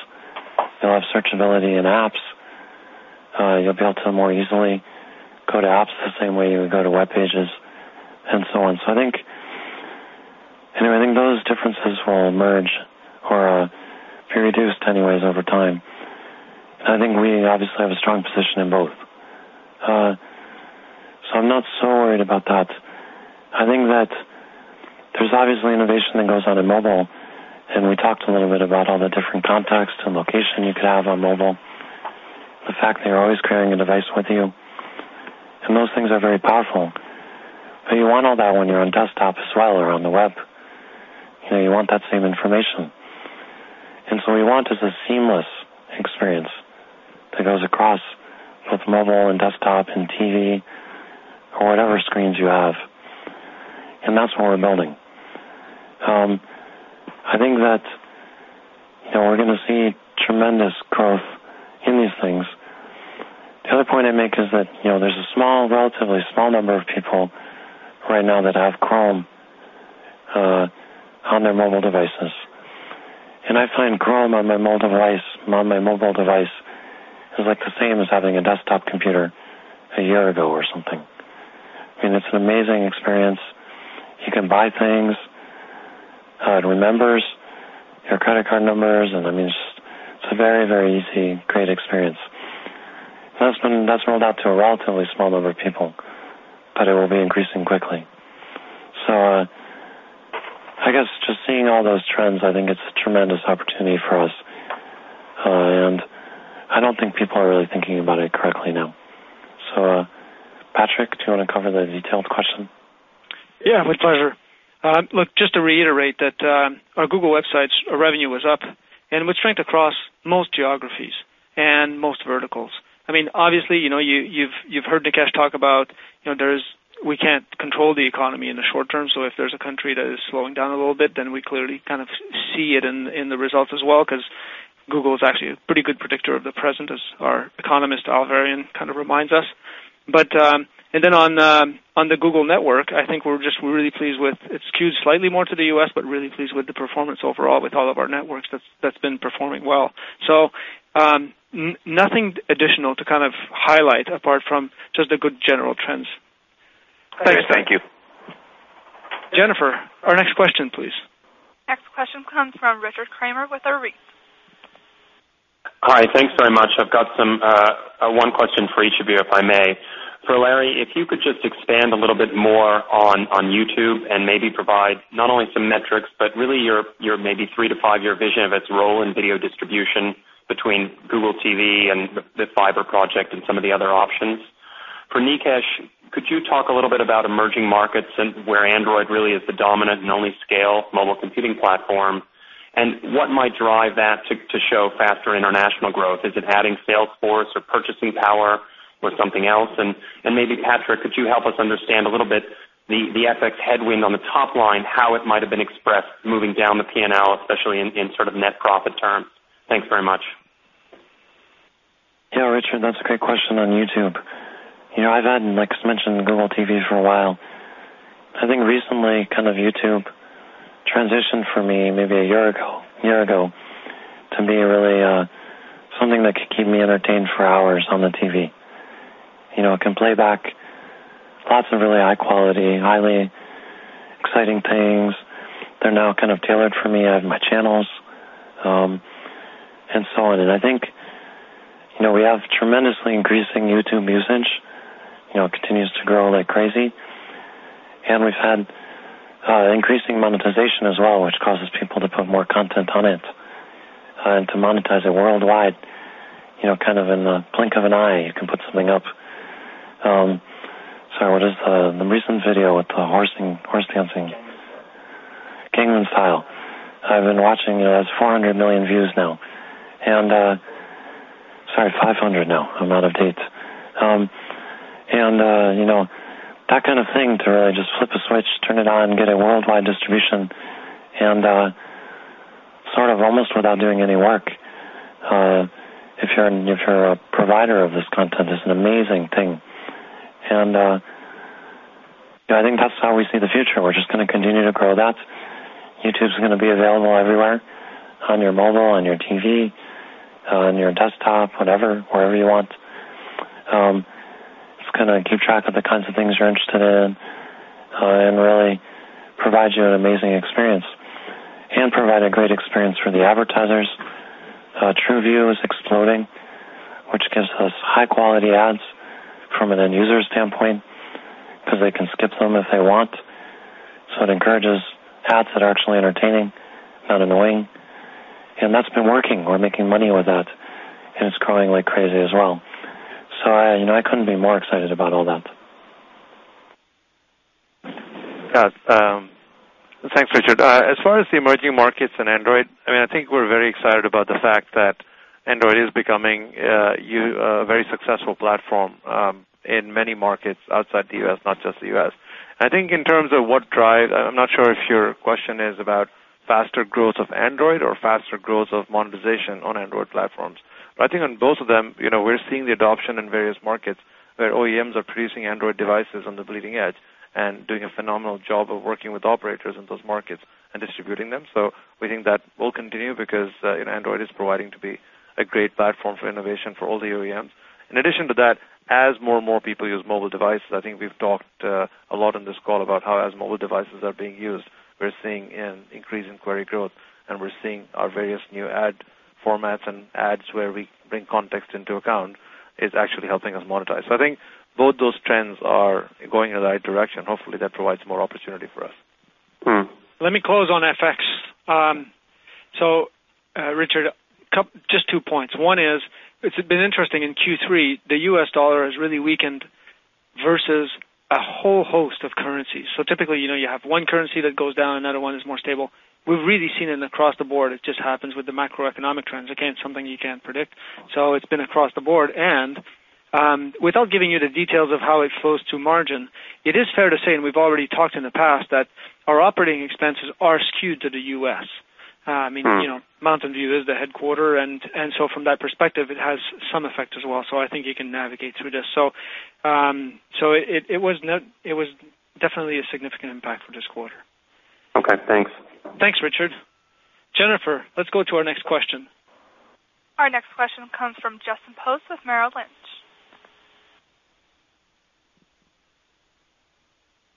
You'll have searchability in apps. You'll be able to more easily go to apps the same way you would go to web pages and so on. So I think those differences will emerge or be reduced anyways over time. I think we obviously have a strong position in both. So I'm not so worried about that. I think that there's obviously innovation that goes on in mobile. And we talked a little bit about all the different context and location you could have on mobile, the fact that you're always carrying a device with you. And those things are very powerful. But you want all that when you're on desktop as well or on the web. You want that same information. And so what we want is a seamless experience that goes across both mobile and desktop and TV or whatever screens you have. And that's what we're building. I think that we're going to see tremendous growth in these things. The other point I make is that there's a relatively small number of people right now that have Chrome on their mobile devices. And I find Chrome on my mobile device is like the same as having a desktop computer a year ago or something. I mean, it's an amazing experience. You can buy things and remembers your credit card numbers. And I mean, it's a very, very easy, great experience. And that's rolled out to a relatively small number of people, but it will be increasing quickly. So I guess just seeing all those trends, I think it's a tremendous opportunity for us. And I don't think people are really thinking about it correctly now. So Patrick, do you want to cover the detailed question? Yeah. My pleasure. Look, just to reiterate that our Google websites' revenue was up and with strength across most geographies and most verticals. I mean, obviously, you've heard Nikesh talk about we can't control the economy in the short term. So if there's a country that is slowing down a little bit, then we clearly kind of see it in the results as well because Google is actually a pretty good predictor of the present, as our economist Hal Varian kind of reminds us, and then on the Google network, I think we're just really pleased with it skews slightly more to the U.S., but really pleased with the performance overall with all of our networks that's been performing well, so nothing additional to kind of highlight apart from just the good general trends. Thank you. Jennifer, our next question, please. Next question comes from Richard Kramer with Arete. Hi. Thanks very much. I've got one question for each of you, if I may. For Larry, if you could just expand a little bit more on YouTube and maybe provide not only some metrics, but really your maybe three- to five-year vision of its role in video distribution between Google TV and the Fiber project and some of the other options. For Nikesh, could you talk a little bit about emerging markets and where Android really is the dominant and only scale mobile computing platform? And what might drive that to show faster international growth? Is it adding sales force or purchasing power or something else? And maybe, Patrick, could you help us understand a little bit the FX headwind on the top line, how it might have been expressed moving down the P&L, especially in sort of net profit terms? Thanks very much. Yeah. Richard, that's a great question on YouTube. I've had, like I mentioned, Google TV for a while. I think recently, kind of YouTube transitioned for me maybe a year ago to be really something that could keep me entertained for hours on the TV. I can play back lots of really high-quality, highly exciting things. They're now kind of tailored for me at my channels and so on. And I think we have tremendously increasing YouTube usage. It continues to grow like crazy. And we've had increasing monetization as well, which causes people to put more content on it and to monetize it worldwide. Kind of in the blink of an eye, you can put something up. Sorry, what is the recent video with the horse dancing? Gangnam Style. I've been watching. It has 400 million views now. Sorry, 500 now. I'm out of date, and that kind of thing to really just flip a switch, turn it on, get a worldwide distribution, and sort of almost without doing any work, if you're a provider of this content, is an amazing thing. I think that's how we see the future. We're just going to continue to grow that. YouTube's going to be available everywhere on your mobile, on your TV, on your desktop, whatever, wherever you want. It's going to keep track of the kinds of things you're interested in and really provide you an amazing experience and provide a great experience for the advertisers. TrueView is exploding, which gives us high-quality ads from an end user standpoint because they can skip them if they want. So it encourages ads that are actually entertaining, not annoying. And that's been working. We're making money with that. And it's growing like crazy as well. So I couldn't be more excited about all that. Yeah. Thanks, Richard. As far as the emerging markets and Android, I mean, I think we're very excited about the fact that Android is becoming a very successful platform in many markets outside the U.S., not just the U.S. I think in terms of what drives I'm not sure if your question is about faster growth of Android or faster growth of monetization on Android platforms. But I think on both of them, we're seeing the adoption in various markets where OEMs are producing Android devices on the bleeding edge and doing a phenomenal job of working with operators in those markets and distributing them. So we think that will continue because Android is proving to be a great platform for innovation for all the OEMs. In addition to that, as more and more people use mobile devices, I think we've talked a lot on this call about how, as mobile devices are being used, we're seeing an increase in query growth. And we're seeing our various new ad formats and ads where we bring context into account is actually helping us monetize. So I think both those trends are going in the right direction. Hopefully, that provides more opportunity for us. Let me close on FX, so Richard, just two points. One is it's been interesting in Q3, the U.S. dollar has really weakened versus a whole host of currencies, so typically, you have one currency that goes down. Another one is more stable. We've really seen it across the board. It just happens with the macroeconomic trends. Again, something you can't predict, so it's been across the board, and without giving you the details of how it flows to margin, it is fair to say, and we've already talked in the past, that our operating expenses are skewed to the U.S. I mean, Mountain View is the headquarters. And so from that perspective, it has some effect as well. So I think you can navigate through this, so it was definitely a significant impact for this quarter. Okay. Thanks. Thanks, Richard. Jennifer, let's go to our next question. Our next question comes from Justin Post with Merrill Lynch.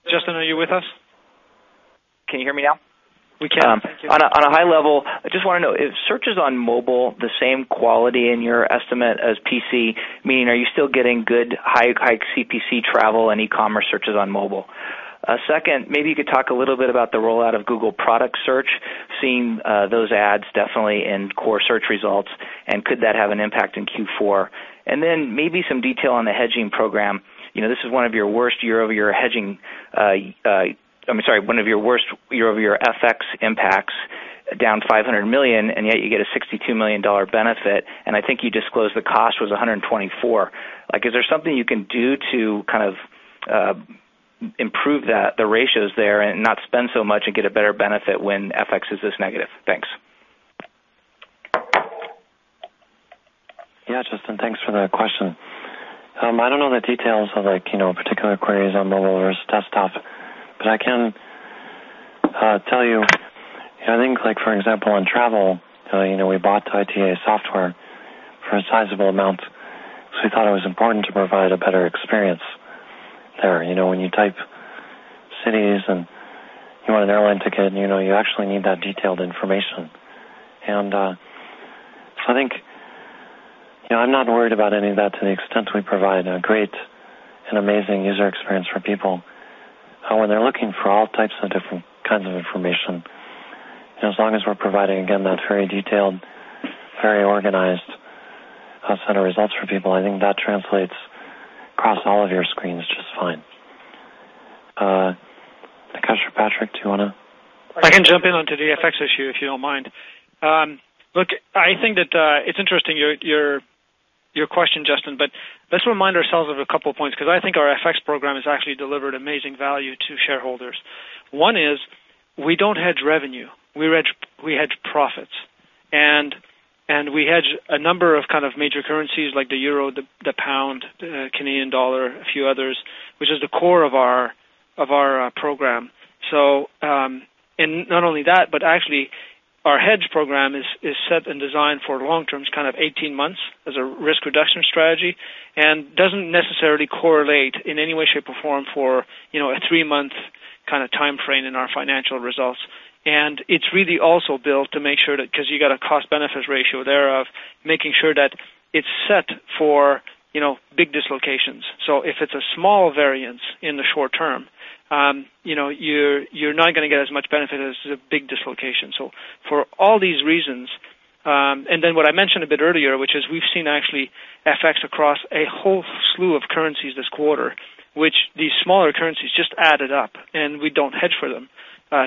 Justin, are you with us? Can you hear me now? We can. Thank you. On a high level, I just want to know, is searches on mobile the same quality in your estimate as PC? Meaning, are you still getting good, high CPC travel and e-commerce searches on mobile? Second, maybe you could talk a little bit about the rollout of Google Product Search, seeing those ads definitely in core search results. And could that have an impact in Q4? And then maybe some detail on the hedging program. This is one of your worst year-over-year hedging. I'm sorry, one of your worst year-over-year FX impacts, down $500 million, and yet you get a $62 million benefit. And I think you disclosed the cost was $124 million. Is there something you can do to kind of improve the ratios there and not spend so much and get a better benefit when FX is this negative? Thanks. Yeah. Justin, thanks for the question. I don't know the details of particular queries on mobile versus desktop, but I can tell you I think, for example, on travel, we bought ITA Software for a sizable amount. So we thought it was important to provide a better experience there. When you type cities and you want an airline ticket, you actually need that detailed information. And so I think I'm not worried about any of that to the extent we provide a great and amazing user experience for people when they're looking for all types of different kinds of information. As long as we're providing, again, that very detailed, very organized set of results for people, I think that translates across all of your screens just fine. Nikesh or Patrick, do you want to? I can jump in onto the FX issue if you don't mind. Look, I think that it's interesting, your question, Justin, but let's remind ourselves of a couple of points because I think our FX program has actually delivered amazing value to shareholders. One is we don't hedge revenue. We hedge profits. And we hedge a number of kind of major currencies like the euro, the pound, Canadian dollar, a few others, which is the core of our program. And not only that, but actually, our hedge program is set and designed for long-term, kind of 18 months as a risk reduction strategy and doesn't necessarily correlate in any way, shape, or form for a three-month kind of time frame in our financial results. And it's really also built to make sure that because you've got a cost-benefit ratio there of making sure that it's set for big dislocations. So if it's a small variance in the short term, you're not going to get as much benefit as a big dislocation. So for all these reasons, and then what I mentioned a bit earlier, which is we've seen actually FX across a whole slew of currencies this quarter, which these smaller currencies just added up, and we don't hedge for them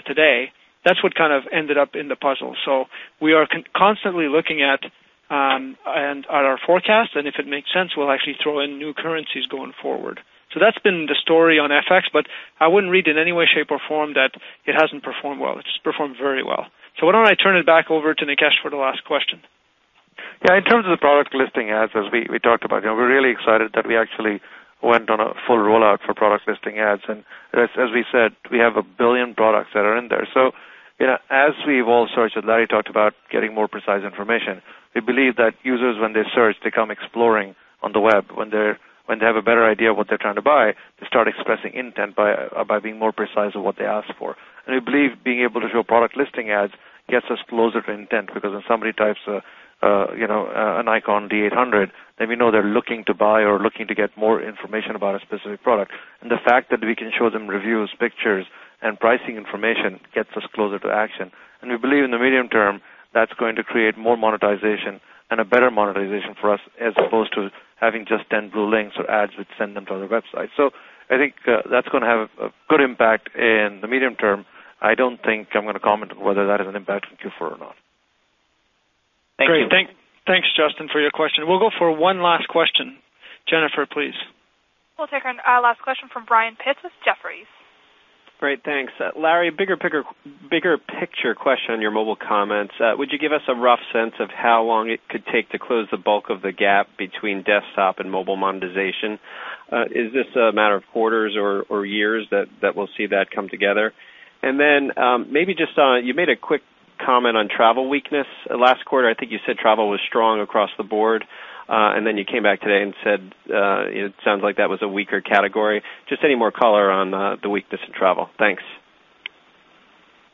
today. That's what kind of ended up in the puzzle. So we are constantly looking at our forecast, and if it makes sense, we'll actually throw in new currencies going forward. So that's been the story on FX, but I wouldn't read in any way, shape, or form that it hasn't performed well. It's performed very well. So why don't I turn it back over to Nikesh for the last question? Yeah. In terms of the Product Listing Ads, as we talked about, we're really excited that we actually went on a full rollout for Product Listing Ads. And as we said, we have a billion products that are in there. So as we evolve search, as Larry talked about getting more precise information, we believe that users, when they search, they come exploring on the web. When they have a better idea of what they're trying to buy, they start expressing intent by being more precise of what they ask for. And we believe being able to show Product Listing Ads gets us closer to intent because when somebody types a Nikon D800, then we know they're looking to buy or looking to get more information about a specific product. And the fact that we can show them reviews, pictures, and pricing information gets us closer to action. And we believe in the medium term, that's going to create more monetization and a better monetization for us as opposed to having just 10 blue links or ads that send them to other websites. So I think that's going to have a good impact in the medium term. I don't think I'm going to comment on whether that has an impact in Q4 or not. Thank you. Thanks, Justin, for your question. We'll go for one last question. Jennifer, please. We'll take our last question from Brian Pitz with Jefferies. Great. Thanks. Larry, a bigger picture question on your mobile comments. Would you give us a rough sense of how long it could take to close the bulk of the gap between desktop and mobile monetization? Is this a matter of quarters or years that we'll see that come together? And then maybe just you made a quick comment on travel weakness. Last quarter, I think you said travel was strong across the board. And then you came back today and said it sounds like that was a weaker category. Just any more color on the weakness in travel. Thanks.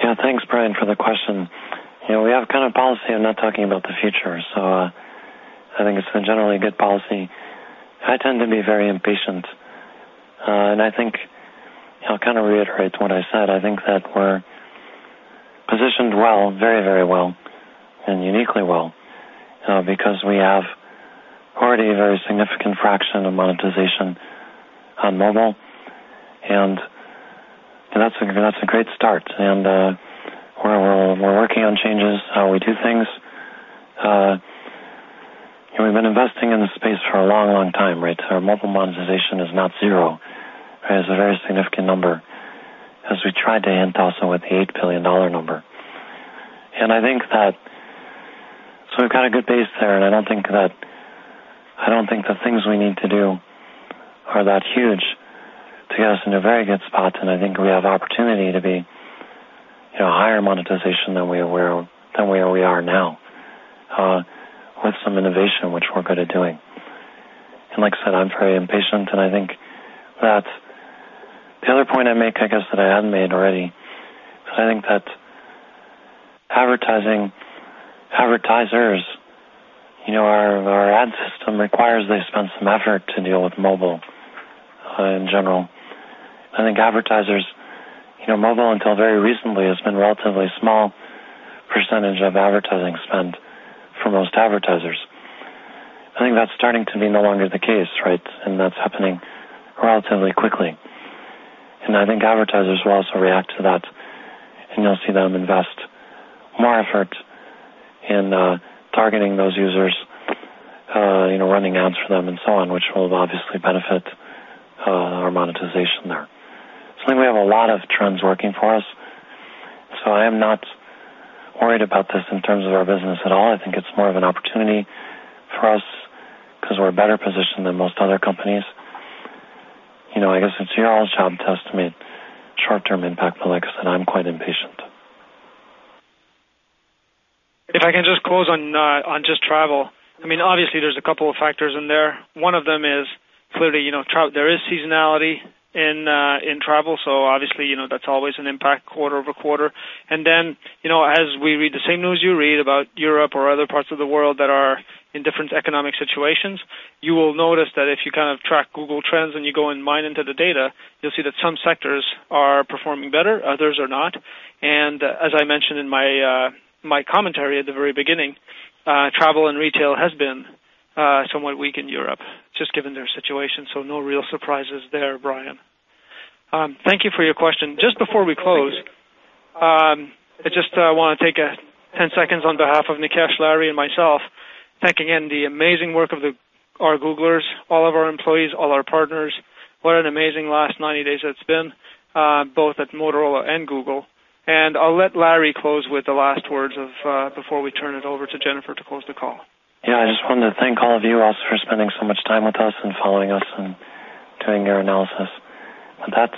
Yeah. Thanks, Brian, for the question. We have a kind of policy. I'm not talking about the future. So I think it's been generally a good policy. I tend to be very impatient, and I think I'll kind of reiterate what I said. I think that we're positioned well, very, very well, and uniquely well because we have already a very significant fraction of monetization on mobile. That's a great start, and we're working on changing how we do things. We've been investing in the space for a long, long time, right? So our mobile monetization is not zero. It's a very significant number as we tried to hint also with the $8 billion number, and I think that, so we've got a good base there. I don't think the things we need to do are that huge to get us into a very good spot. I think we have opportunity to be higher monetization than we are now with some innovation, which we're good at doing. Like I said, I'm very impatient. I think that the other point I make, I guess, that I had made already, is I think that advertising advertisers, our ad system requires they spend some effort to deal with mobile in general. I think advertisers mobile until very recently has been a relatively small percentage of advertising spent for most advertisers. I think that's starting to be no longer the case, right? That's happening relatively quickly. I think advertisers will also react to that. And you'll see them invest more effort in targeting those users, running ads for them, and so on, which will obviously benefit our monetization there. So I think we have a lot of trends working for us. So I am not worried about this in terms of our business at all. I think it's more of an opportunity for us because we're better positioned than most other companies. I guess it's your all's job to estimate short-term impact. But like I said, I'm quite impatient. If I can just close on just travel. I mean, obviously, there's a couple of factors in there. One of them is clearly there is seasonality in travel, so obviously, that's always an impact quarter over quarter, and then as we read the same news you read about Europe or other parts of the world that are in different economic situations, you will notice that if you kind of track Google Trends and you go and mine into the data, you'll see that some sectors are performing better, others are not, and as I mentioned in my commentary at the very beginning, travel and retail has been somewhat weak in Europe just given their situation, so no real surprises there, Brian. Thank you for your question. Just before we close, I just want to take 10 seconds on behalf of Nikesh, Larry, and myself, thanking again the amazing work of our Googlers, all of our employees, all our partners. What an amazing last 90 days it's been, both at Motorola and Google. And I'll let Larry close with the last words before we turn it over to Jennifer to close the call. Yeah. I just wanted to thank all of you also for spending so much time with us and following us and doing your analysis. With that,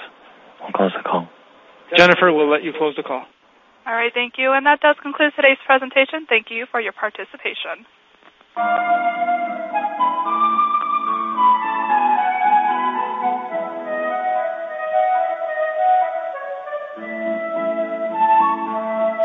we'll close the call. Jennifer, we'll let you close the call. All right. Thank you. And that does conclude today's presentation. Thank you for your participation.